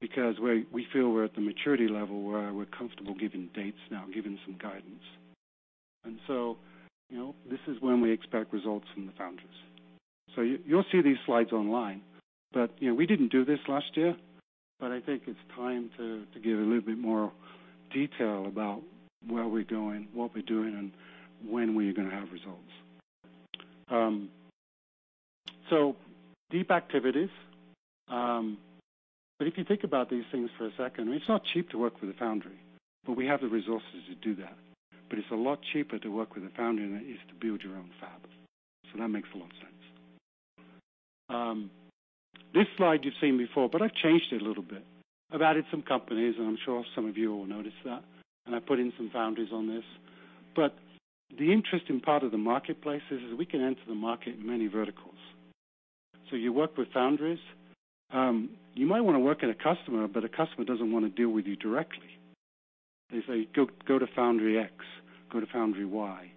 because we feel we're at the maturity level where we're comfortable giving dates now, giving some guidance. You know, this is when we expect results from the foundries. You'll see these slides online. You know, we didn't do this last year, but I think it's time to give a little bit more detail about where we're going, what we're doing, and when we are going to have results. Deep activities. If you think about these things for a second, it's not cheap to work with a foundry, but we have the resources to do that. It's a lot cheaper to work with a foundry than it is to build your own fab. That makes a lot of sense. This slide you've seen before, but I've changed it a little bit. I've added some companies, and I'm sure some of you will notice that. I put in some foundries on this. The interesting part of the marketplace is we can enter the market in many verticals. You work with foundries. You might want to work with a customer, but a customer doesn't want to deal with you directly. They say, "Go, go to foundry X, go to foundry Y,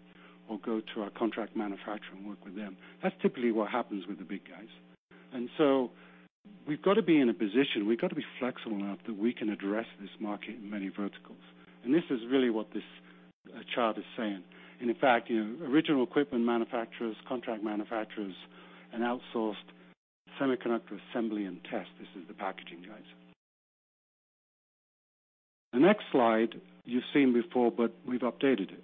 or go to our contract manufacturer and work with them." That's typically what happens with the big guys. We've got to be in a position, we've got to be flexible enough that we can address this market in many verticals. This is really what this chart is saying. In fact, you know, original equipment manufacturers, contract manufacturers, and outsourced semiconductor assembly and test. This is the packaging guys. The next slide you've seen before, but we've updated it.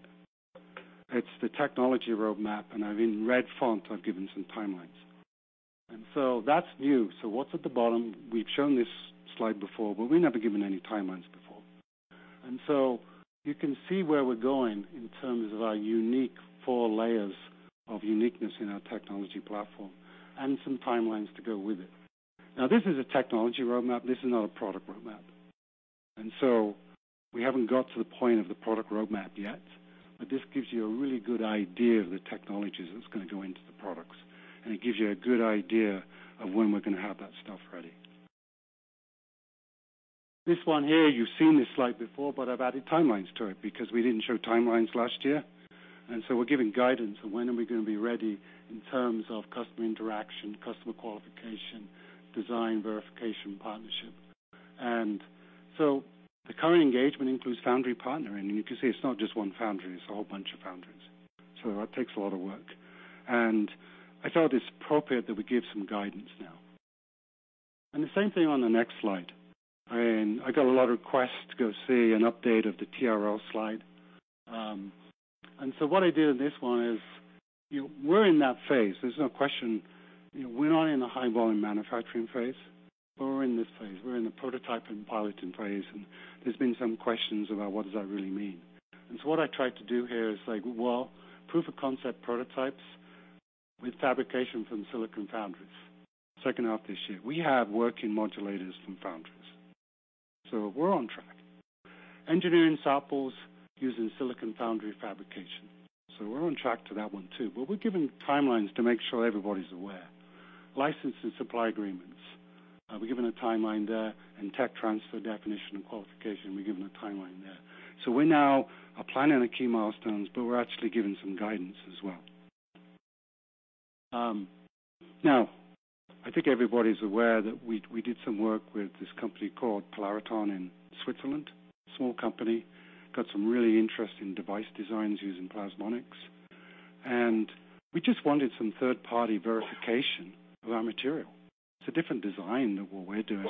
It's the technology roadmap, and I've in red font, I've given some timelines, and so that's new. What's at the bottom? We've shown this slide before, but we've never given any timelines before. You can see where we're going in terms of our unique four layers of uniqueness in our technology platform and some timelines to go with it. Now, this is a technology roadmap. This is not a product roadmap. We haven't got to the point of the product roadmap yet. This gives you a really good idea of the technologies that's going to go into the products, and it gives you a good idea of when we're going to have that stuff ready. This one here, you've seen this slide before, but I've added timelines to it because we didn't show timelines last year. We're giving guidance on when are we going to be ready in terms of customer interaction, customer qualification, design verification, partnership. The current engagement includes foundry partnering. You can see it's not just one foundry, it's a whole bunch of foundries. That takes a lot of work. I thought it's appropriate that we give some guidance now. The same thing on the next slide. I got a lot of requests to go see an update of the TRL slide. What I did in this one is we're in that phase. There's no question. We're not in a high volume manufacturing phase, but we're in this phase. We're in the prototyping, piloting phase. There's been some questions about what does that really mean. What I tried to do here is like, well, proof of concept prototypes with fabrication from silicon foundries. Second half this year, we have working modulators from foundries. We're on track. Engineering samples using silicon foundry fabrication. We're on track to that one too. We're giving timelines to make sure everybody's aware. License and supply agreements. We're given a timeline there. Tech transfer definition and qualification. We're given a timeline there. We're now planning the key milestones, but we're actually giving some guidance as well. Now I think everybody's aware that we did some work with this company called Polariton in Switzerland. Small company, got some really interesting device designs using plasmonics, and we just wanted some third-party verification of our material. It's a different design than what we're doing.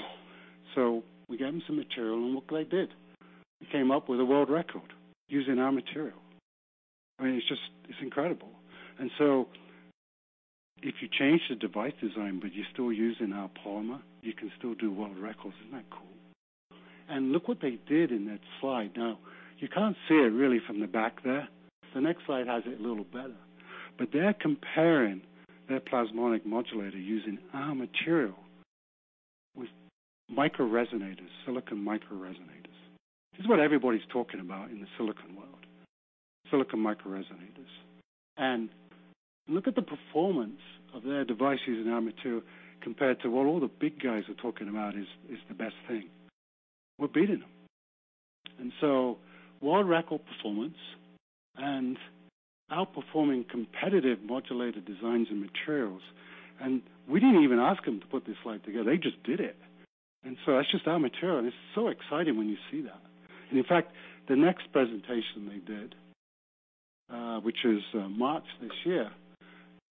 We gave them some material, and look what they did. They came up with a world record using our material. I mean, it's just. It's incredible. If you change the device design, but you're still using our polymer, you can still do world records. Isn't that cool? Look what they did in that slide. Now, you can't see it really from the back there. The next slide has it a little better. They're comparing their plasmonic modulator using our material with microring resonators, silicon microring resonators. This is what everybody's talking about in the silicon world, silicon microring resonators. Look at the performance of their devices in our material compared to what all the big guys are talking about is the best thing. We're beating them. World record performance and outperforming competitive modulated designs and materials. We didn't even ask them to put this slide together. They just did it. That's just our material, and it's so exciting when you see that. In fact, the next presentation they did, which is March this year,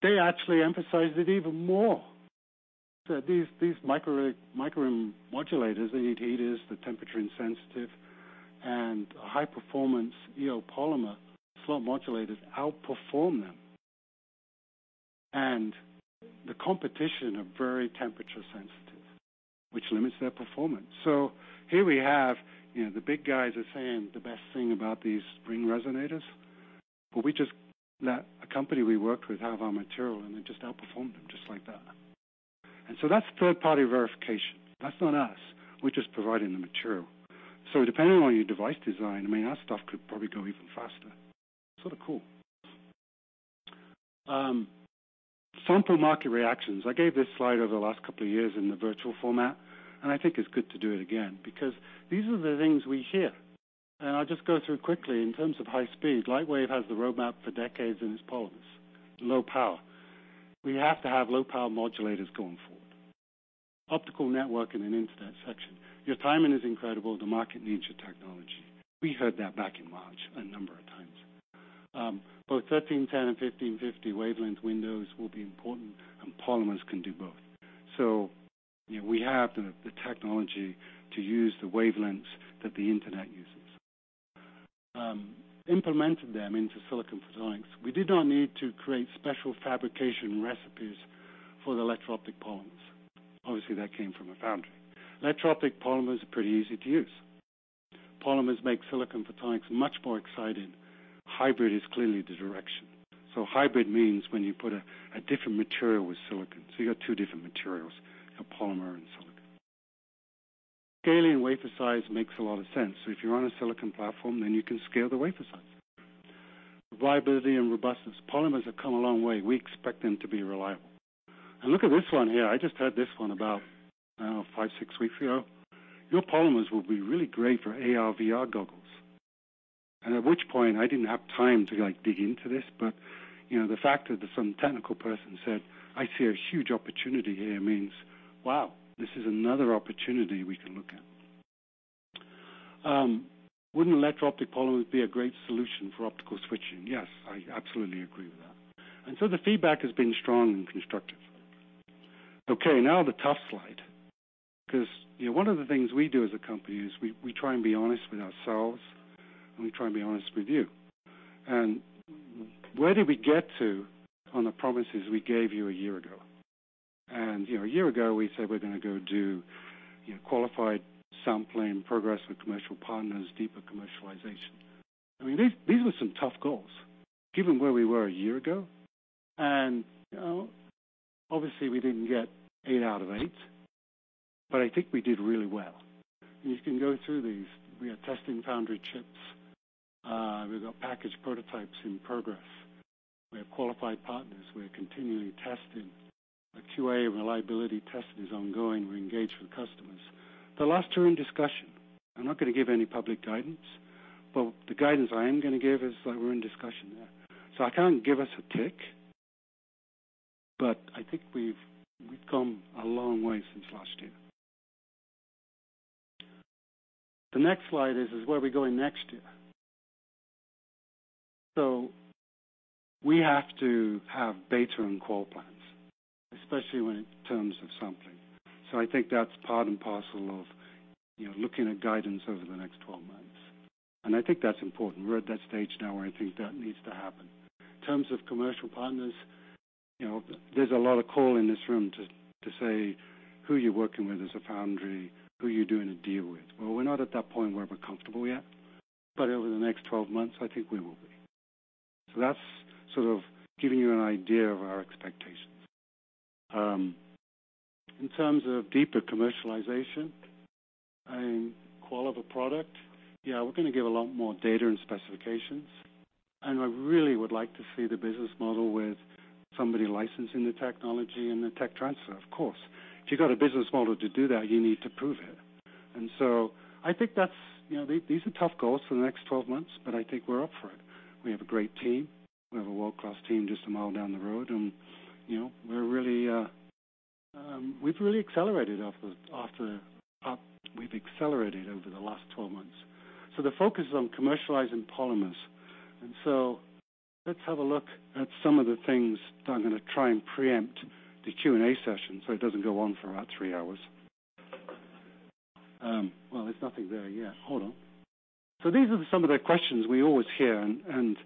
they actually emphasized it even more. These microring modulators, they need heaters, they're temperature sensitive and a high-performance EO polymer slot modulator outperform them. The competition are very temperature sensitive, which limits their performance. Here we have, you know, the big guys are saying the best thing about these ring resonators, but we just let a company we worked with have our material, and they just outperformed them just like that. That's third-party verification. That's not us. We're just providing the material. Depending on your device design, I mean, our stuff could probably go even faster. Sort of cool. Sample market reactions. I gave this slide over the last couple of years in the virtual format, and I think it's good to do it again because these are the things we hear. I'll just go through quickly in terms of high speed. Lightwave has the roadmap for decades in its polymers. Low power. We have to have low power modulators going forward. Optical network and an internet section. Your timing is incredible. The market needs your technology. We heard that back in March a number of times. Both 1310 and 1550 wavelength windows will be important, and polymers can do both. You know, we have the technology to use the wavelengths that the internet uses. Implemented them into silicon photonics. We did not need to create special fabrication recipes for the electro-optic polymers. Obviously, that came from a foundry. Electro-optic polymers are pretty easy to use. Polymers make silicon photonics much more exciting. Hybrid is clearly the direction. Hybrid means when you put a different material with silicon. You got two different materials, a polymer and silicon. Scaling wafer size makes a lot of sense. If you're on a silicon platform, then you can scale the wafer size. Reliability and robustness. Polymers have come a long way. We expect them to be reliable. Look at this one here. I just had this one about 5-6 weeks ago. Your polymers will be really great for AR/VR goggles. At which point, I didn't have time to, like, dig into this, but, you know, the fact that some technical person said, "I see a huge opportunity here," means, wow, this is another opportunity we can look at. Wouldn't electro-optic polymers be a great solution for optical switching? Yes, I absolutely agree with that. The feedback has been strong and constructive. Okay, now the tough slide. Because, you know, one of the things we do as a company is we try and be honest with ourselves, and we try and be honest with you. Where did we get to on the promises we gave you a year ago? You know, a year ago, we said we're gonna go do, you know, qualified sampling, progress with commercial partners, deeper commercialization. I mean, these were some tough goals given where we were a year ago. You know, obviously, we didn't get 8 out of 8, but I think we did really well. You can go through these. We are testing foundry chips. We've got package prototypes in progress. We have qualified partners we're continually testing. Our QA and reliability test is ongoing. We're engaged with customers. The last two are in discussion. I'm not gonna give any public guidance, but the guidance I am gonna give is that we're in discussion there. I can't give us a tick, but I think we've come a long way since last year. The next slide is where are we going next year. We have to have data and call plans, especially in terms of sampling. I think that's part and parcel of, you know, looking at guidance over the next 12 months. I think that's important. We're at that stage now where I think that needs to happen. In terms of commercial partners, you know, there's a lot of call in this room to say who you're working with as a foundry, who you're doing a deal with. Well, we're not at that point where we're comfortable yet, but over the next 12 months, I think we will be. That's sort of giving you an idea of our expectations. In terms of deeper commercialization and qual of a product, yeah, we're gonna give a lot more data and specifications. I really would like to see the business model with somebody licensing the technology and the tech transfer, of course. If you've got a business model to do that, you need to prove it. I think that's you know these are tough goals for the next 12 months, but I think we're up for it. We have a great team. We have a world-class team just a mile down the road and, you know, we've really accelerated over the last 12 months. The focus is on commercializing polymers. Let's have a look at some of the things that I'm gonna try and preempt the Q&A session, so it doesn't go on for about three hours. Well, there's nothing there yet. Hold on. These are some of the questions we always hear and,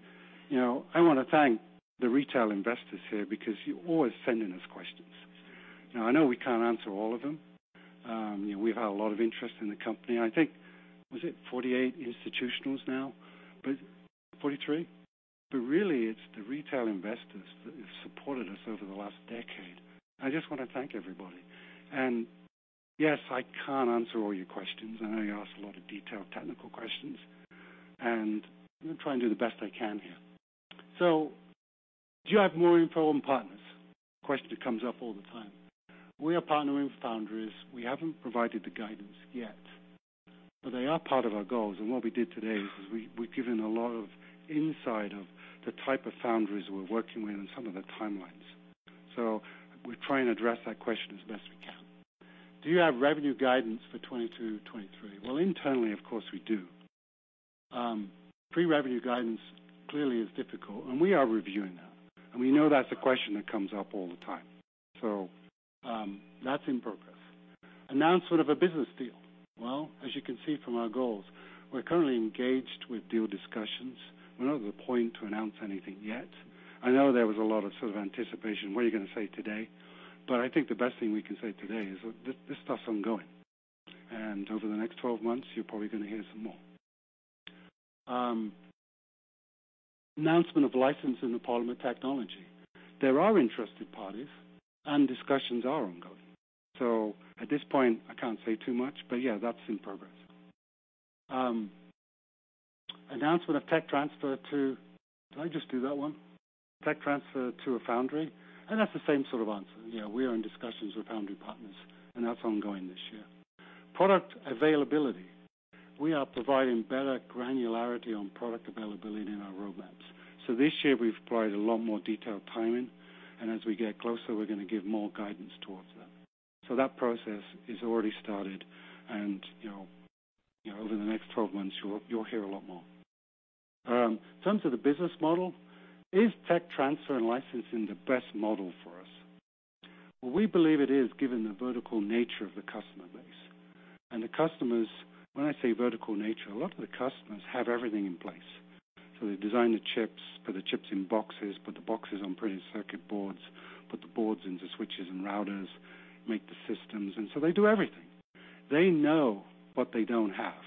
you know, I wanna thank the retail investors here because you're always sending us questions. Now, I know we can't answer all of them. You know, we've had a lot of interest in the company. I think, was it 48 institutionals now? 43? But really, it's the retail investors that have supported us over the last decade. I just wanna thank everybody. Yes, I can't answer all your questions. I know you ask a lot of detailed technical questions, and I'm gonna try and do the best I can here. Do you have more info on partners? Question that comes up all the time. We are partnering with foundries. We haven't provided the guidance yet, but they are part of our goals, and what we did today is we've given a lot of insight of the type of foundries we're working with and some of the timelines. We try and address that question as best we can. Do you have revenue guidance for 2022, 2023? Well, internally, of course, we do. Pre-revenue guidance clearly is difficult, and we are reviewing that. We know that's a question that comes up all the time. That's in progress. Announcement of a business deal. Well, as you can see from our goals, we're currently engaged with deal discussions. We're not at the point to announce anything yet. I know there was a lot of sort of anticipation, "What are you gonna say today?" I think the best thing we can say today is this stuff's ongoing. Over the next 12 months, you're probably gonna hear some more. Announcement of license in the polymer technology. There are interested parties, and discussions are ongoing. At this point, I can't say too much, but yeah, that's in progress. Announcement of tech transfer to a foundry, and that's the same sort of answer. Yeah, we are in discussions with foundry partners, and that's ongoing this year. Product availability. We are providing better granularity on product availability in our roadmaps. This year we've provided a lot more detailed timing, and as we get closer, we're gonna give more guidance towards that. That process is already started and, you know, over the next 12 months, you'll hear a lot more. In terms of the business model, is tech transfer and licensing the best model for us? Well, we believe it is, given the vertical nature of the customer base. The customers, when I say vertical nature, a lot of the customers have everything in place. They design the chips, put the chips in boxes, put the boxes on printed circuit boards, put the boards into switches and routers, make the systems. They do everything. They know what they don't have.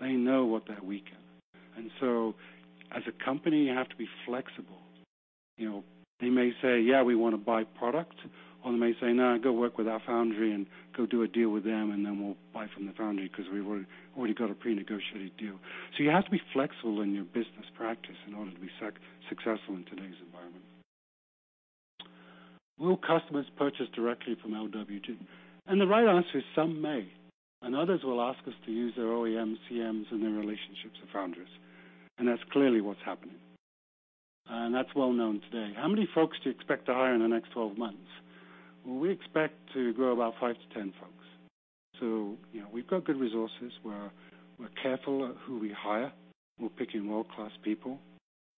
They know what they're weak in. As a company, you have to be flexible. You know, they may say, "Yeah, we wanna buy product," or they may say, "No, go work with our foundry and go do a deal with them, and then we'll buy from the foundry 'cause we've already got a pre-negotiated deal." So you have to be flexible in your business practice in order to be successful in today's environment. Will customers purchase directly from LWT? The right answer is some may, and others will ask us to use their OEM, CMs, and their relationships with foundries. That's clearly what's happening. That's well known today. How many folks do you expect to hire in the next 12 months? We expect to grow about 5-10 folks. You know, we've got good resources. We're careful at who we hire. We're picking world-class people.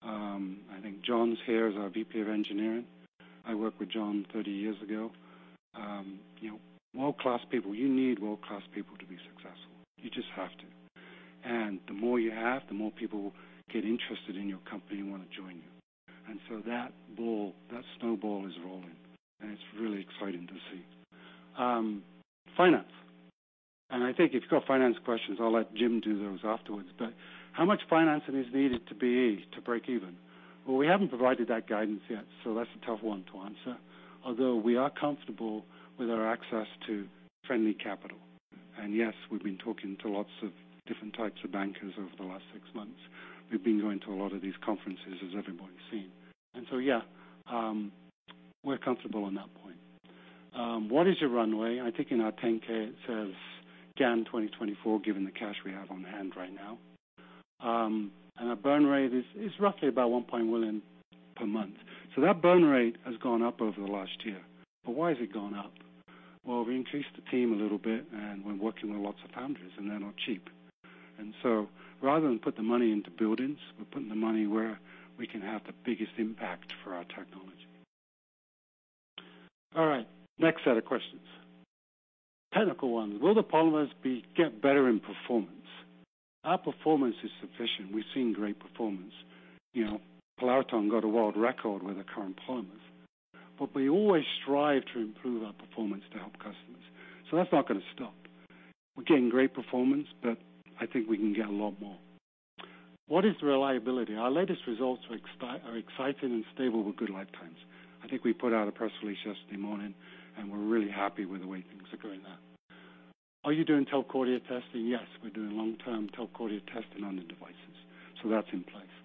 I think John's here, is our VP of engineering. I worked with John 30 years ago. You know, world-class people. You need world-class people to be successful. You just have to. The more you have, the more people get interested in your company and wanna join you. That ball, that snowball is rolling, and it's really exciting to see. Finance. I think if you've got finance questions, I'll let Jim do those afterwards. How much financing is needed to be easy to break even? Well, we haven't provided that guidance yet, so that's a tough one to answer. Although we are comfortable with our access to friendly capital. Yes, we've been talking to lots of different types of bankers over the last 6 months. We've been going to a lot of these conferences, as everybody's seen. Yeah, we're comfortable on that point. What is your runway? I think in our 10-K it says runway into 2024, given the cash we have on hand right now. Our burn rate is roughly about $1 million per month. That burn rate has gone up over the last year. Why has it gone up? Well, we increased the team a little bit, and we're working with lots of foundries, and they're not cheap. Rather than put the money into buildings, we're putting the money where we can have the biggest impact for our technology. All right, next set of questions. Technical ones. Will the polymers get better in performance? Our performance is sufficient. We've seen great performance. You know, Polariton got a world record with the current polymers. We always strive to improve our performance to help customers. That's not gonna stop. We're getting great performance, but I think we can get a lot more. What is the reliability? Our latest results are exciting and stable with good lifetimes. I think we put out a press release yesterday morning, and we're really happy with the way things are going there. Are you doing Telcordia testing? Yes, we're doing long-term Telcordia testing on the devices. That's in place.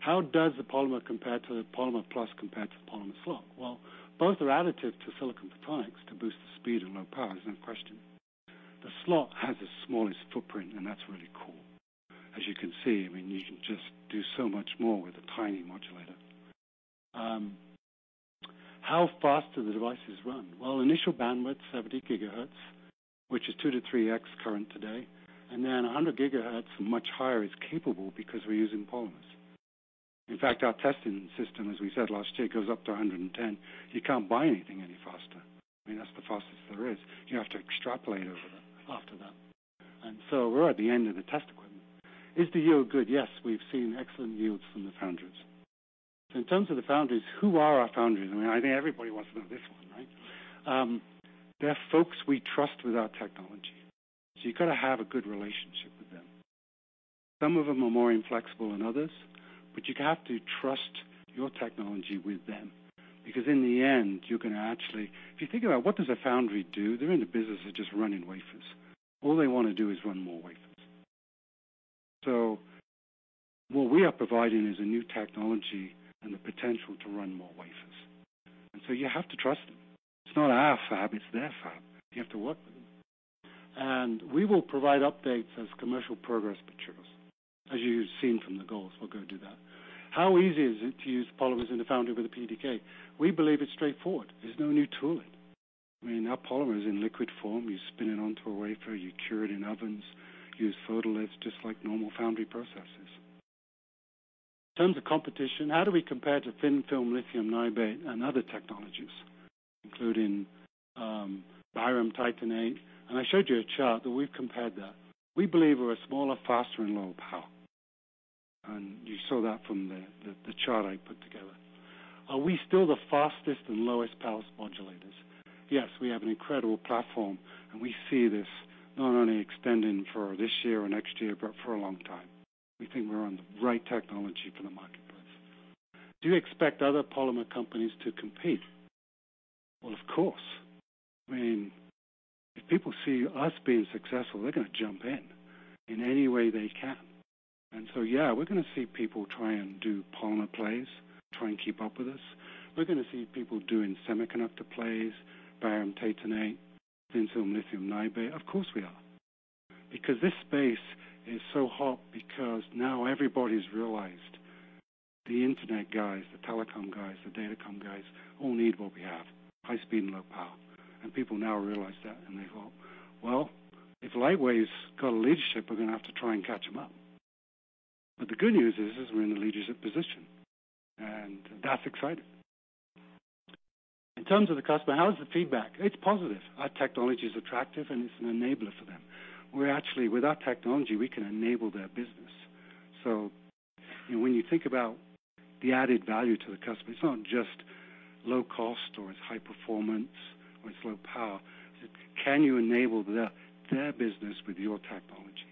How does the polymer compare to the Polymer Plus compare to the Polymer Slot? Well, both are additive to silicon photonics to boost the speed and low power. There's no question. The Slot has the smallest footprint, and that's really cool. As you can see, I mean, you can just do so much more with a tiny modulator. How fast do the devices run? Well, initial bandwidth, 70 GHz, which is 2-3x current today, and then 100 GHz much higher is capable because we're using polymers. In fact, our testing system, as we said last year, goes up to 110. You can't buy anything any faster. I mean, that's the fastest there is. You have to extrapolate after that. We're at the end of the test equipment. Is the yield good? Yes, we've seen excellent yields from the foundries. In terms of the foundries, who are our foundries? I mean, I think everybody wants to know this one, right? They're folks we trust with our technology. So you've got to have a good relationship with them. Some of them are more inflexible than others, but you have to trust your technology with them because in the end, you're gonna actually. If you think about what does a foundry do, they're in the business of just running wafers. All they wanna do is run more wafers. What we are providing is a new technology and the potential to run more wafers. You have to trust them. It's not our fab, it's their fab. You have to work with them. We will provide updates as commercial progress matures. As you've seen from the goals, we're gonna do that. How easy is it to use polymers in the foundry with a PDK? We believe it's straightforward. There's no new tooling. I mean, our polymer is in liquid form. You spin it onto a wafer, you cure it in ovens, use photo lifts just like normal foundry processes. In terms of competition, how do we compare to thin-film lithium niobate and other technologies, including barium titanate? I showed you a chart that we've compared that. We believe we're smaller, faster, and lower power. You saw that from the chart I put together. Are we still the fastest and lowest power modulators? Yes. We have an incredible platform, and we see this not only extending for this year or next year, but for a long time. We think we're on the right technology for the marketplace. Do you expect other polymer companies to compete? Well, of course. I mean, if people see us being successful, they're gonna jump in in any way they can. Yeah, we're gonna see people try and do polymer plays, try and keep up with us. We're gonna see people doing semiconductor plays, barium titanate, thin-film lithium niobate. Of course, we are. This space is so hot because now everybody's realized the Internet guys, the telecom guys, the datacom guys all need what we have: high speed and low power. People now realize that and they go, "Well, if Lightwave's got a leadership, we're gonna have to try and catch them up." The good news is, we're in the leadership position, and that's exciting. In terms of the customer, how is the feedback? It's positive. Our technology is attractive and it's an enabler for them. We're actually, with our technology, we can enable their business. You know, when you think about the added value to the customer, it's not just low cost or it's high performance or it's low power. It's can you enable their business with your technology?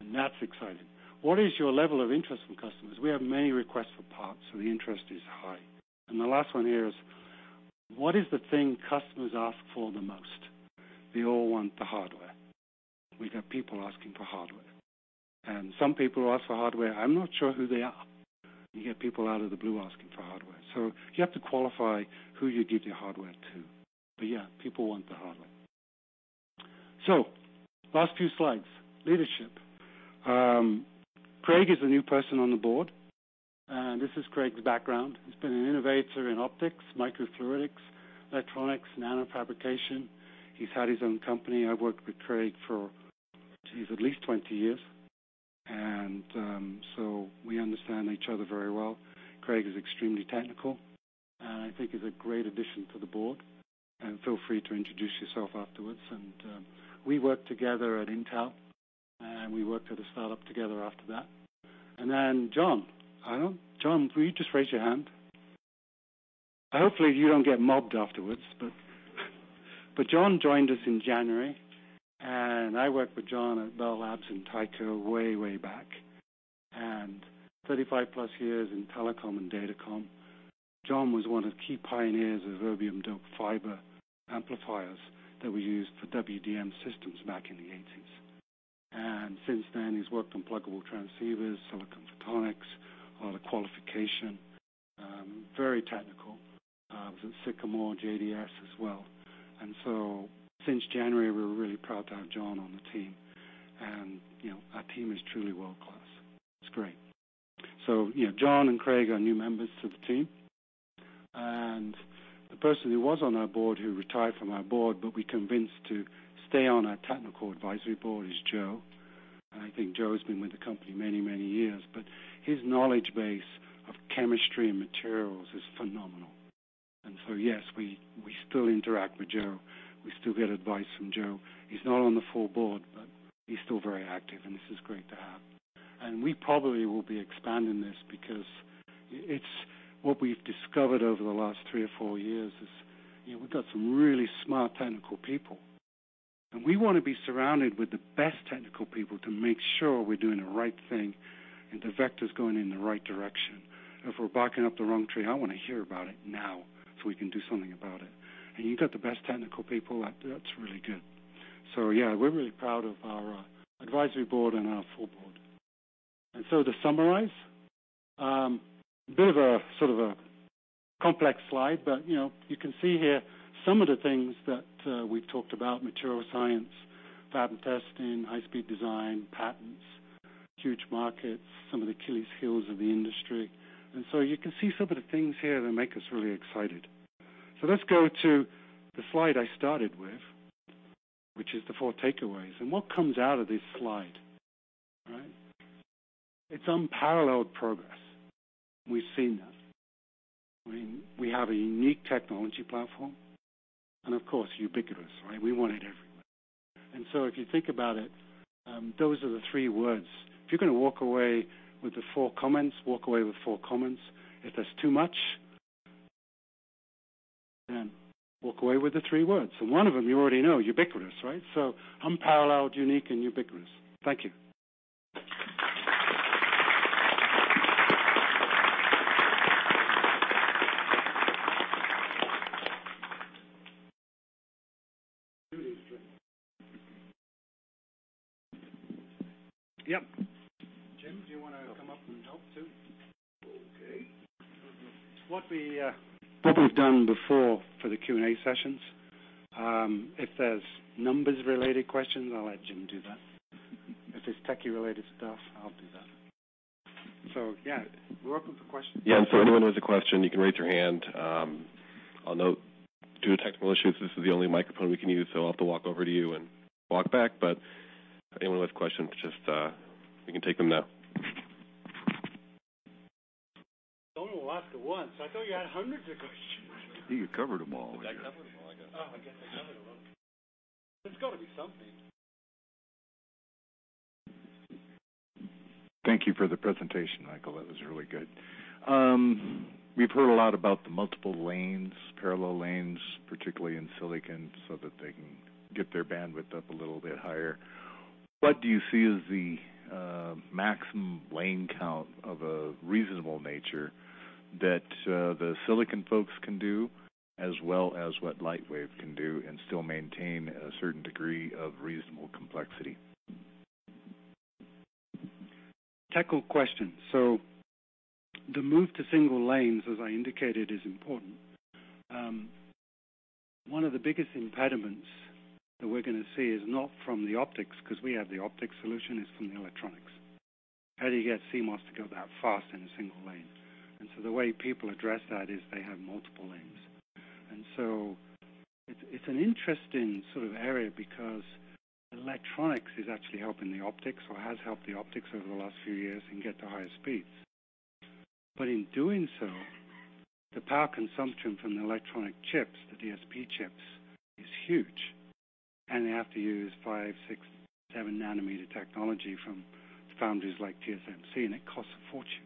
And that's exciting. What is your level of interest from customers? We have many requests for parts, so the interest is high. The last one here is what is the thing customers ask for the most? They all want the hardware. We've had people asking for hardware. Some people who ask for hardware, I'm not sure who they are. You get people out of the blue asking for hardware. You have to qualify who you give your hardware to. Yeah, people want the hardware. Last few slides. Leadership. Craig is a new person on the board. This is Craig's background. He's been an innovator in optics, microfluidics, electronics, nanofabrication. He's had his own company. I've worked with Craig for jeez, at least 20 years. We understand each other very well. Craig is extremely technical, and I think he's a great addition to the board, and feel free to introduce yourself afterwards. We worked together at Intel, and we worked at a startup together after that. John, will you just raise your hand? Hopefully, you don't get mobbed afterwards, but John joined us in January, and I worked with John at Bell Labs and Tyco way back, and 35+ years in telecom and datacom. John was one of the key pioneers of erbium-doped fiber amplifiers that we used for WDM systems back in the eighties. Since then, he's worked on pluggable transceivers, silicon photonics, a lot of qualification, very technical, was at Sycamore, JDS as well. Since January, we're really proud to have John on the team. You know, our team is truly world-class. It's great. You know, John and Craig are new members to the team. The person who was on our board, who retired from our board, but we convinced to stay on our technical advisory board is Joe. I think Joe has been with the company many, many years, but his knowledge base of chemistry and materials is phenomenal. Yes, we still interact with Joe. We still get advice from Joe. He's not on the full board, but he's still very active, and this is great to have. We probably will be expanding this because it's what we've discovered over the last 3 or 4 years is, you know, we've got some really smart technical people, and we wanna be surrounded with the best technical people to make sure we're doing the right thing and the vector's going in the right direction. If we're barking up the wrong tree, I wanna hear about it now so we can do something about it. You got the best technical people, that's really good. Yeah, we're really proud of our advisory board and our full board. To summarize, a bit of a sort of a complex slide, but you know, you can see here some of the things that we've talked about material science, fab and testing, high speed design, patents, huge markets, some of the Achilles heels of the industry. You can see some of the things here that make us really excited. Let's go to the slide I started with, which is the four takeaways. What comes out of this slide, right? It's unparalleled progress. We've seen that. I mean, we have a unique technology platform, and of course, ubiquitous, right? We want it everywhere. If you think about it, those are the three words. If you're gonna walk away with the four comments, walk away with four comments. If that's too much, walk away with the three words. One of them you already know, ubiquitous, right? Unparalleled, unique, and ubiquitous. Thank you. Yep. Jim, do you want to come up and help, too? Okay. What we've done before for the Q&A sessions, if there's numbers-related questions, I'll let Jim do that. If it's techie-related stuff, I'll do that. Yeah, we're open for questions. Anyone who has a question, you can raise your hand. I'll note due to technical issues, this is the only microphone we can use, so I'll have to walk over to you and walk back. Anyone who has questions, just, we can take them now. I've only walked it once. I thought you had hundreds of questions. I think you covered them all. Did I cover them all, I guess. Oh, I guess I covered them all. There's got to be something. Thank you for the presentation, Michael. That was really good. We've heard a lot about the multiple lanes, parallel lanes, particularly in silicon, so that they can get their bandwidth up a little bit higher. What do you see as the maximum lane count of a reasonable nature that the silicon folks can do, as well as what Lightwave can do and still maintain a certain degree of reasonable complexity? Technical question. The move to single lanes, as I indicated, is important. One of the biggest impediments that we're gonna see is not from the optics, because we have the optics solution. It's from the electronics. How do you get CMOS to go that fast in a single lane? The way people address that is they have multiple lanes. It's an interesting sort of area because electronics is actually helping the optics or has helped the optics over the last few years and get to higher speeds. In doing so, the power consumption from the electronic chips, the DSP chips, is huge. They have to use 5, 6, 7 nanometer technology from foundries like TSMC, and it costs a fortune.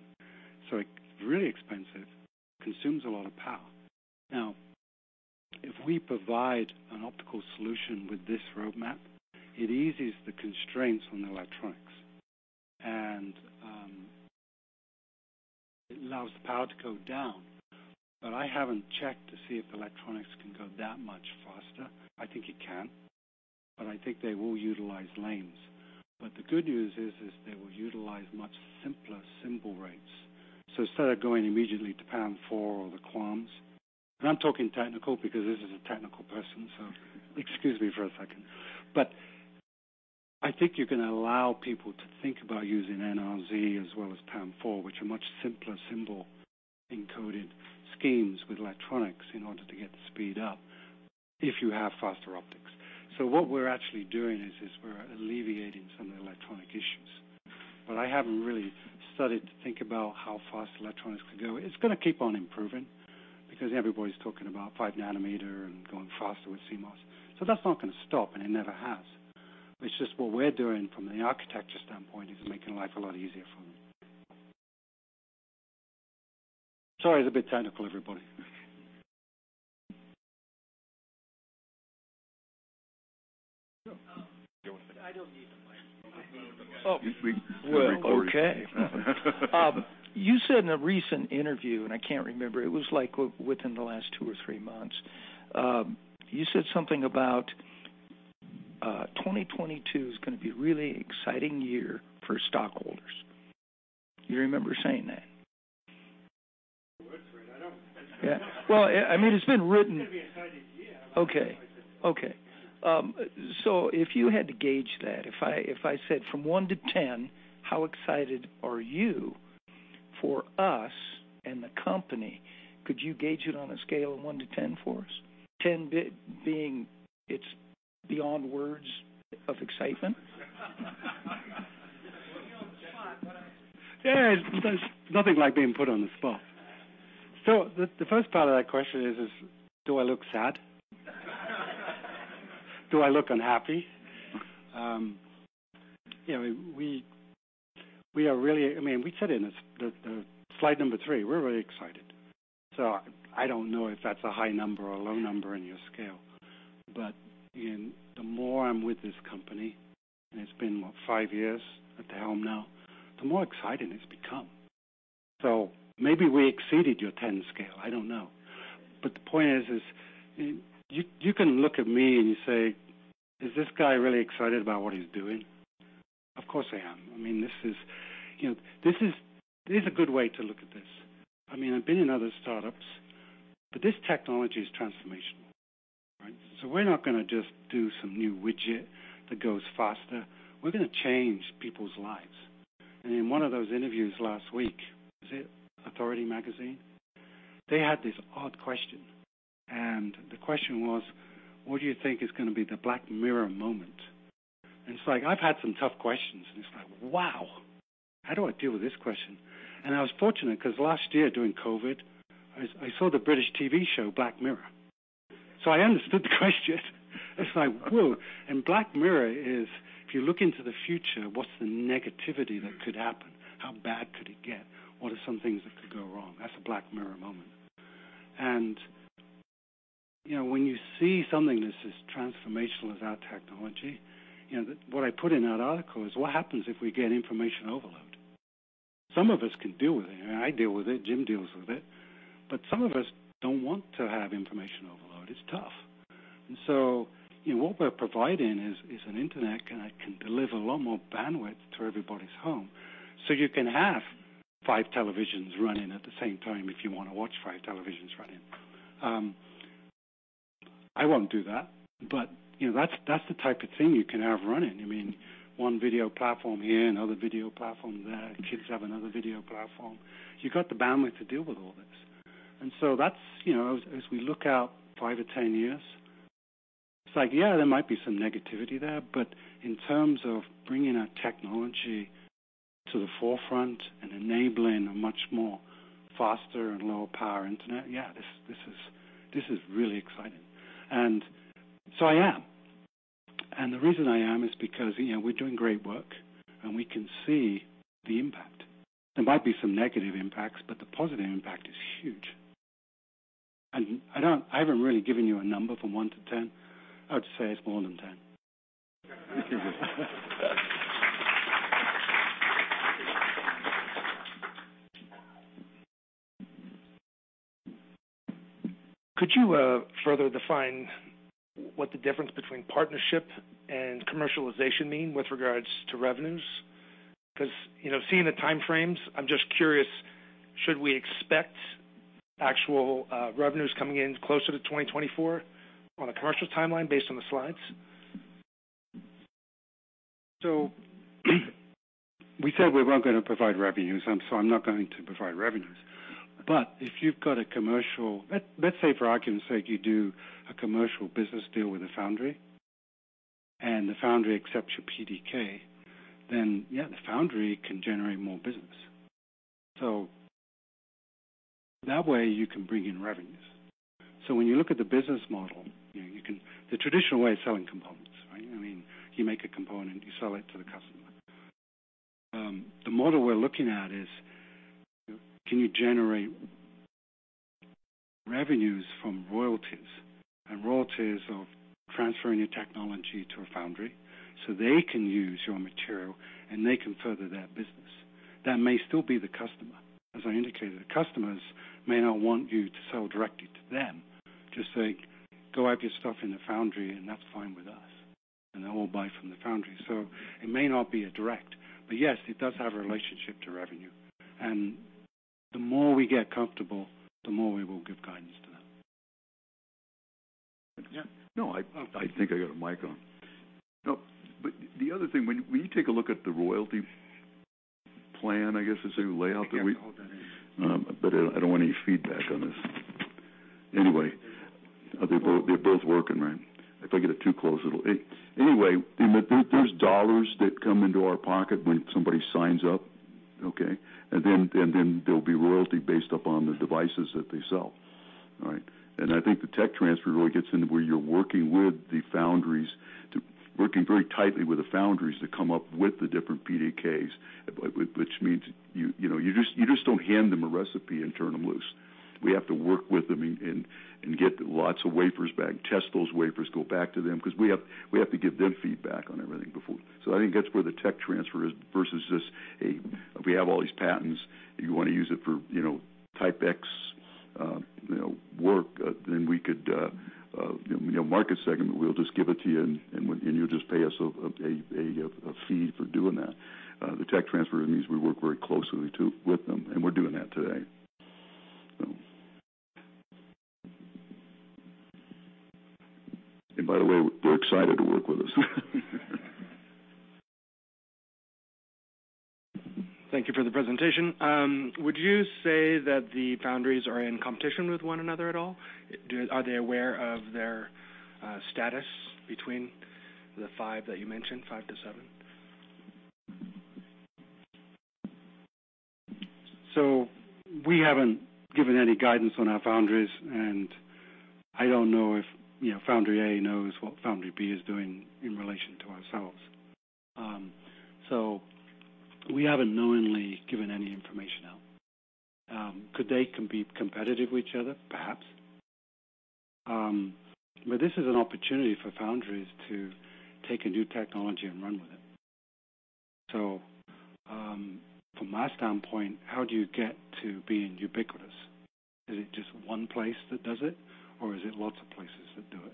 It's really expensive, consumes a lot of power. Now, if we provide an optical solution with this roadmap, it eases the constraints on the electronics, and it allows the power to go down. I haven't checked to see if electronics can go that much faster. I think it can, but I think they will utilize lanes. The good news is they will utilize much simpler symbol rates. Instead of going immediately to PAM-4 or the QAM, and I'm talking technical because this is a technical person, so excuse me for a second. I think you're gonna allow people to think about using NRZ as well as PAM-4, which are much simpler symbol encoded schemes with electronics in order to get the speed up if you have faster optics. What we're actually doing is we're alleviating some of the electronic issues. I haven't really started to think about how fast electronics can go. It's gonna keep on improving because everybody's talking about 5-nanometer and going faster with CMOS. That's not gonna stop, and it never has. It's just what we're doing from the architecture standpoint is making life a lot easier for them. Sorry, it's a bit technical, everybody. I don't need a mic. Okay. Well, okay. You said in a recent interview, and I can't remember, it was like within the last 2 or 3 months. You said something about, 2022 is gonna be a really exciting year for stockholders. Do you remember saying that? You would, Fred. I don't. Yeah. Well, I mean, it's been written. It's gonna be an exciting year. Okay. If you had to gauge that, if I said from one to ten, how excited are you for us and the company, could you gauge it on a scale of one to ten for us? Ten being it's beyond words of excitement. Yeah, there's nothing like being put on the spot. The first part of that question is, do I look sad? Do I look unhappy? You know, we are really, I mean, we said in the slide number three, we're really excited. I don't know if that's a high number or a low number in your scale. The more I'm with this company, and it's been, what, five years at the helm now, the more exciting it's become. Maybe we exceeded your ten scale. I don't know. The point is, you can look at me and you say, "Is this guy really excited about what he's doing?" Of course, I am. I mean, this is. You know, this is a good way to look at this. I mean, I've been in other startups, but this technology is transformational, right? We're not gonna just do some new widget that goes faster. We're gonna change people's lives. In one of those interviews last week, was it Authority Magazine? They had this odd question, and the question was. What do you think is gonna be the Black Mirror moment? It's like, I've had some tough questions, and it's like, wow, how do I deal with this question? I was fortunate because last year during COVID, I saw the British TV show, Black Mirror. I understood the question. It's like, whoa. Black Mirror is if you look into the future, what's the negativity that could happen? How bad could it get? What are some things that could go wrong? That's a Black Mirror moment. You know, when you see something that's as transformational as our technology, you know, what I put in that article is what happens if we get information overload? Some of us can deal with it. I mean, I deal with it, Jim deals with it. Some of us don't want to have information overload. It's tough. You know, what we're providing is an internet connect can deliver a lot more bandwidth to everybody's home. You can have five televisions running at the same time if you want to watch five televisions running. I won't do that, but, you know, that's the type of thing you can have running. I mean, one video platform here, another video platform there, kids have another video platform. You got the bandwidth to deal with all this. That's, you know, as we look out five to 10 years, it's like, yeah, there might be some negativity there, but in terms of bringing a technology to the forefront and enabling a much more faster and lower power Internet, yeah, this is really exciting. I am. The reason I am is because, you know, we're doing great work, and we can see the impact. There might be some negative impacts, but the positive impact is huge. I don't. I haven't really given you a number from one to 10. I'd say it's more than 10. Could you further define what the difference between partnership and commercialization mean with regards to revenues? Because, you know, seeing the time frames, I'm just curious, should we expect actual revenues coming in closer to 2024 on a commercial timeline based on the slides? We said we weren't going to provide revenues, so I'm not going to provide revenues. If you've got a commercial... let's say for argument's sake, you do a commercial business deal with a foundry, and the foundry accepts your PDK, then yeah, the foundry can generate more business. That way you can bring in revenues. When you look at the business model, you know, you can... The traditional way is selling components, right? I mean, you make a component, you sell it to the customer. The model we're looking at is, can you generate revenues from royalties, and royalties of transferring your technology to a foundry, so they can use your material, and they can further their business. That may still be the customer. As I indicated, the customers may not want you to sell directly to them. Just say, "Go have your stuff in the foundry, and that's fine with us, and then we'll buy from the foundry." It may not be a direct, but yes, it does have a relationship to revenue. The more we get comfortable, the more we will give guidance to that. Yeah. No, I think I got a mic on. No, but the other thing, when you take a look at the royalty plan, I guess it's a layout that we- I can't hold that in. I don't want any feedback on this. Anyway. They're both working, right? Anyway, there's dollars that come into our pocket when somebody signs up, okay? Then there'll be royalty based upon the devices that they sell, right? I think the tech transfer really gets into where you're working very tightly with the foundries to come up with the different PDKs, which means you know you just don't hand them a recipe and turn them loose. We have to work with them and get lots of wafers back, test those wafers, go back to them, because we have to give them feedback on everything before. I think that's where the tech transfer is versus just we have all these patents. You want to use it for, you know, type X, you know, work, then we could, you know, market segment. We'll just give it to you and you'll just pay us a fee for doing that. The tech transfer means we work very closely with them, and we're doing that today. By the way, they're excited to work with us. Thank you for the presentation. Would you say that the foundries are in competition with one another at all? Are they aware of their status between the five that you mentioned, 5-7? We haven't given any guidance on our foundries, and I don't know if, you know, foundry A knows what foundry B is doing in relation to ourselves. We haven't knowingly given any information out. Could they compete competitively with each other? Perhaps. This is an opportunity for foundries to take a new technology and run with it. From my standpoint, how do you get to being ubiquitous? Is it just one place that does it or is it lots of places that do it?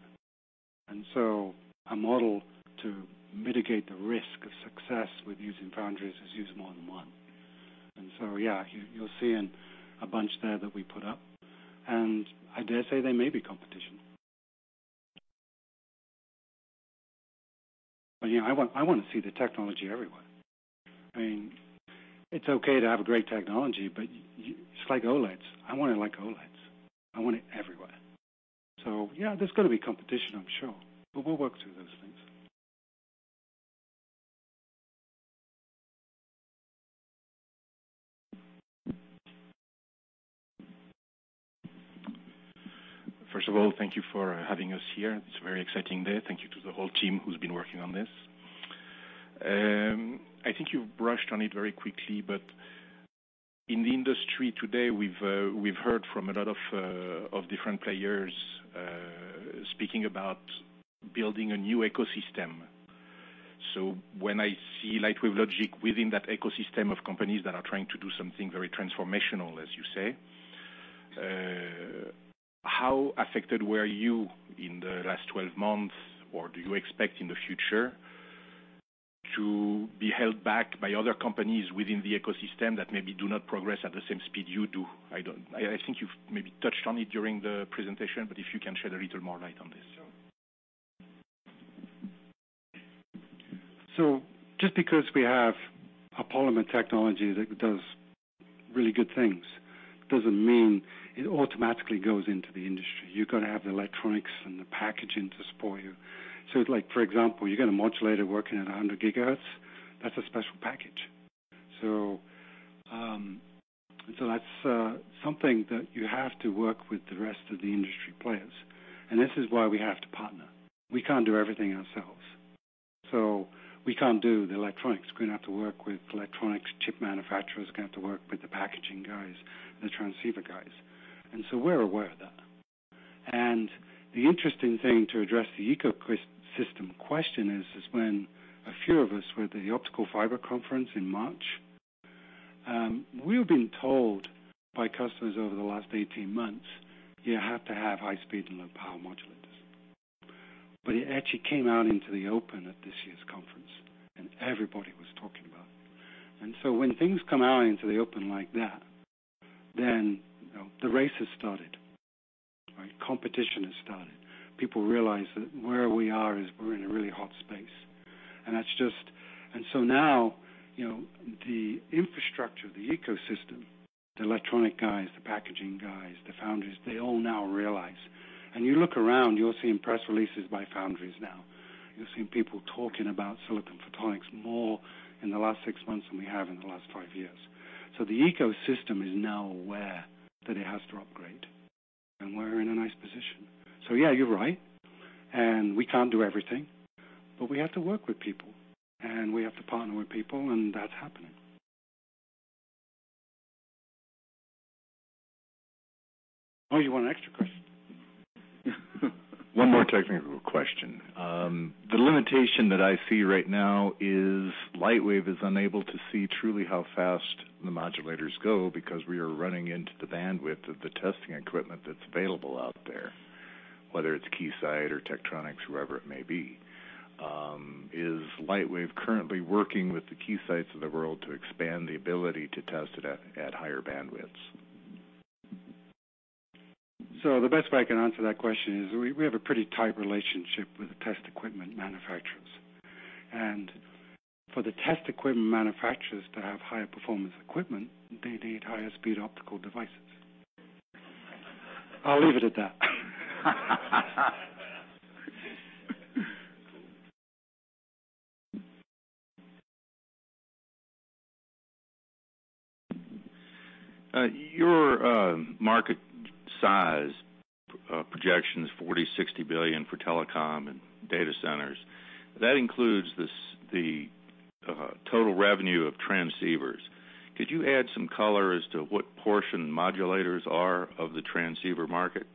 A model to mitigate the risk of success with using foundries is use more than one. Yeah, you're seeing a bunch there that we put up, and I dare say they may be competitors. You know, I want to see the technology everywhere. I mean, it's okay to have a great technology. It's like OLEDs. I want it like OLEDs. I want it everywhere. Yeah, there's got to be competition, I'm sure. We'll work through those things. First of all, thank you for having us here. It's a very exciting day. Thank you to the whole team who's been working on this. I think you touched on it very quickly. In the industry today, we've heard from a lot of different players speaking about building a new ecosystem. When I see Lightwave Logic within that ecosystem of companies that are trying to do something very transformational, as you say, how affected were you in the last 12 months, or do you expect in the future to be held back by other companies within the ecosystem that maybe do not progress at the same speed you do? I don't. I think you've maybe touched on it during the presentation, but if you can shed a little more light on this. Sure. Just because we have a polymer technology that does really good things doesn't mean it automatically goes into the industry. You've got to have the electronics and the packaging to support you. Like for example, you got a modulator working at 100 GHz, that's a special package. That's something that you have to work with the rest of the industry players, and this is why we have to partner. We can't do everything ourselves. We can't do the electronics. We're gonna have to work with electronics chip manufacturers, gonna have to work with the packaging guys, the transceiver guys. We're aware of that. The interesting thing to address the ecosystem question is when a few of us were at the Optical Fiber Conference in March, we've been told by customers over the last 18 months, you have to have high speed and low power modulators. It actually came out into the open at this year's conference, and everybody was talking about it. When things come out into the open like that, then, you know, the race has started, right? Competition has started. People realize that where we are is we're in a really hot space. That's now, you know, the infrastructure, the ecosystem, the electronic guys, the packaging guys, the foundries, they all now realize. You look around, you're seeing press releases by foundries now. You're seeing people talking about silicon photonics more in the last six months than we have in the last five years. The ecosystem is now aware that it has to upgrade, and we're in a nice position. Yeah, you're right. We can't do everything, but we have to work with people, and we have to partner with people, and that's happening. Oh, you want an extra question? One more technical question. The limitation that I see right now is Lightwave is unable to see truly how fast the modulators go because we are running into the bandwidth of the testing equipment that's available out there, whether it's Keysight or Tektronix, whoever it may be. Is Lightwave currently working with the Keysight's of the world to expand the ability to test it at higher bandwidths? The best way I can answer that question is we have a pretty tight relationship with the test equipment manufacturers. For the test equipment manufacturers to have higher performance equipment, they need higher speed optical devices. I'll leave it at that. Your market size projection is $40-60 billion for telecom and data centers. That includes the total revenue of transceivers. Could you add some color as to what portion modulators are of the transceiver market?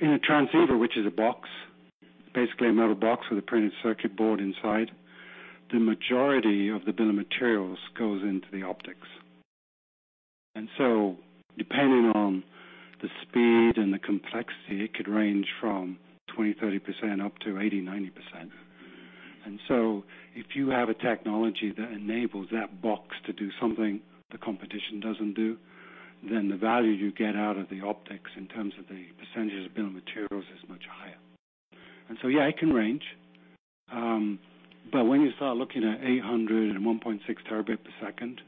In a transceiver, which is a box, basically a metal box with a printed circuit board inside, the majority of the bill of materials goes into the optics. Depending on the speed and the complexity, it could range from 20, 30% up to 80, 90%. If you have a technology that enables that box to do something the competition doesn't do, then the value you get out of the optics in terms of the percentage of bill of materials is much higher. Yeah, it can range. But when you start looking at 801.6 terabit per second,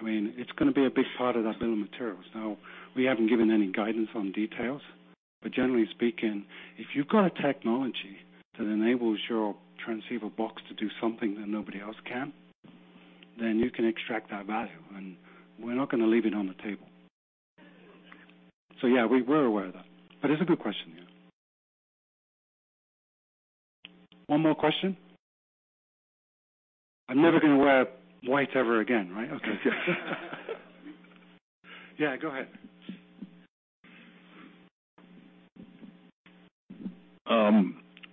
I mean, it's gonna be a big part of that bill of materials. Now, we haven't given any guidance on details. Generally speaking, if you've got a technology that enables your transceiver box to do something that nobody else can, then you can extract that value, and we're not gonna leave it on the table. Yeah, we were aware of that, but it's a good question, yeah. One more question. I'm never gonna wear white ever again, right? Okay, good. Yeah, go ahead.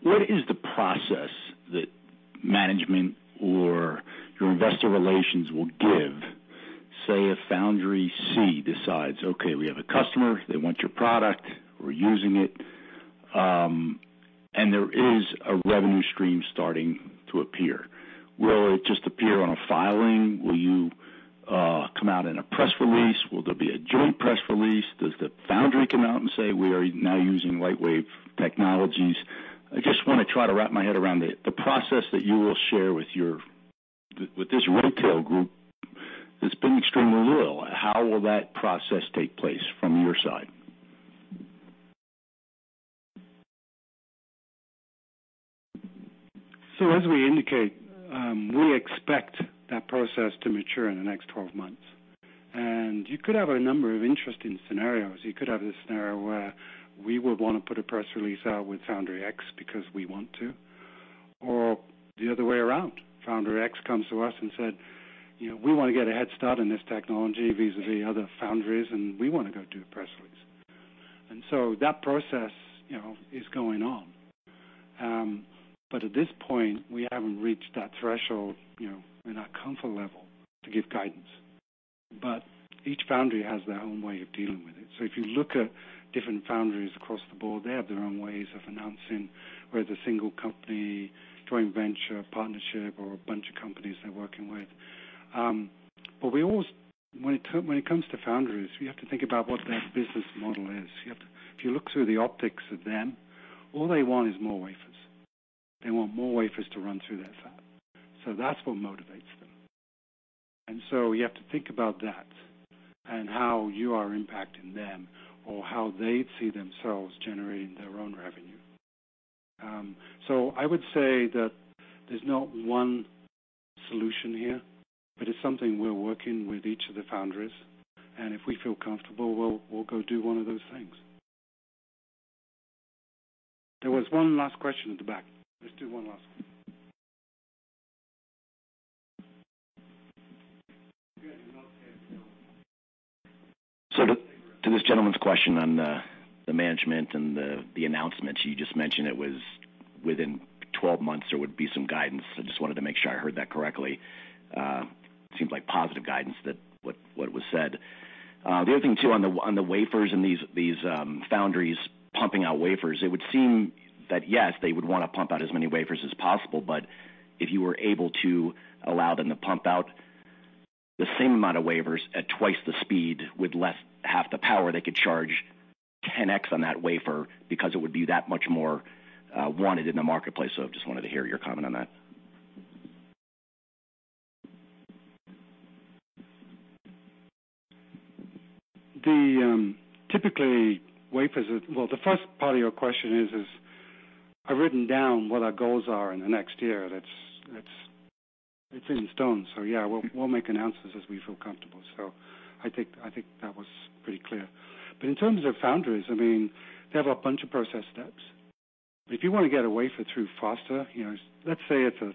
What is the process that management or your investor relations will give? Say a foundry C decides, okay, we have a customer, they want your product, we're using it, and there is a revenue stream starting to appear. Will it just appear on a filing? Will you come out in a press release? Will there be a joint press release? Does the foundry come out and say, we are now using Lightwave Logic technologies? I just wanna try to wrap my head around the process that you will share with your—with this retail group that's been extremely little. How will that process take place from your side? As we indicate, we expect that process to mature in the next 12 months. You could have a number of interesting scenarios. You could have the scenario where we would wanna put a press release out with foundry X because we want to. The other way around. Foundry X comes to us and said, "You know, we want to get a head start in this technology vis-à-vis other foundries, and we want to go do a press release." That process, you know, is going on. At this point, we haven't reached that threshold, you know, in our comfort level to give guidance. Each foundry has their own way of dealing with it. If you look at different foundries across the board, they have their own ways of announcing whether it's a single company, joint venture, partnership or a bunch of companies they're working with. When it comes to foundries, we have to think about what their business model is. If you look through the optics of them, all they want is more wafers. They want more wafers to run through their fab. That's what motivates them. You have to think about that and how you are impacting them or how they see themselves generating their own revenue. I would say that there's no one solution here, but it's something we're working with each of the foundries, and if we feel comfortable, we'll go do one of those things. There was one last question at the back. Let's do one last one. To this gentleman's question on the management and the announcement, you just mentioned it was within 12 months there would be some guidance. I just wanted to make sure I heard that correctly. Seems like positive guidance than what was said. The other thing, too, on the wafers and these foundries pumping out wafers, it would seem that, yes, they would wanna pump out as many wafers as possible, but if you were able to allow them to pump out the same amount of wafers at twice the speed with less than half the power, they could charge 10x on that wafer because it would be that much more wanted in the marketplace. Just wanted to hear your comment on that. Typically, wafers. Well, the first part of your question is I've written down what our goals are in the next year. That's, it's in stone. Yeah, we'll make announcements as we feel comfortable. I think that was pretty clear. In terms of foundries, I mean, they have a bunch of process steps. If you wanna get a wafer through faster, you know, let's say it's a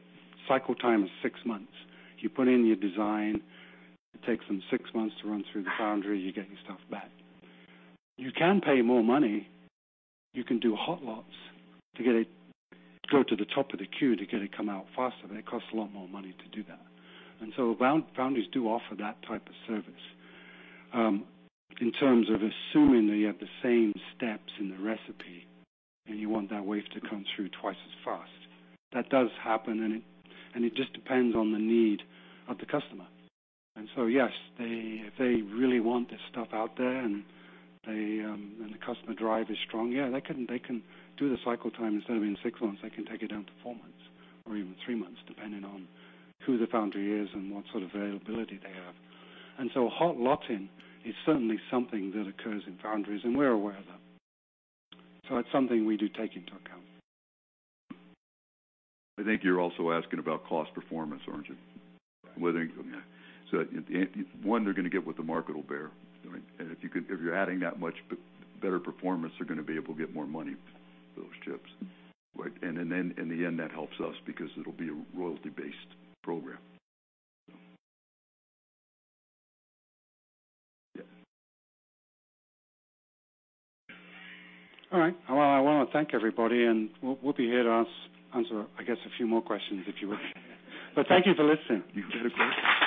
cycle time of six months. You put in your design, it takes them six months to run through the foundry, you get your stuff back. You can pay more money. You can do hot lots to get it go to the top of the queue to get it come out faster, but it costs a lot more money to do that. Foundries do offer that type of service. In terms of assuming that you have the same steps in the recipe, and you want that wave to come through twice as fast. That does happen, and it just depends on the need of the customer. Yes, they, if they really want this stuff out there, and they, and the customer drive is strong, yeah, they can do the cycle time. Instead of being six months, they can take it down to four months or even three months, depending on who the foundry is and what sort of availability they have. Hot lotting is certainly something that occurs in foundries, and we're aware of that. It's something we do take into account. I think you're also asking about cost performance, aren't you? Yeah. One, they're gonna get what the market will bear. If you're adding that much better performance, they're gonna be able to get more money for those chips. In the end, that helps us because it'll be a royalty-based program. All right. Well, I wanna thank everybody, and we'll be here to answer, I guess, a few more questions if you would. Thank you for listening. You did great.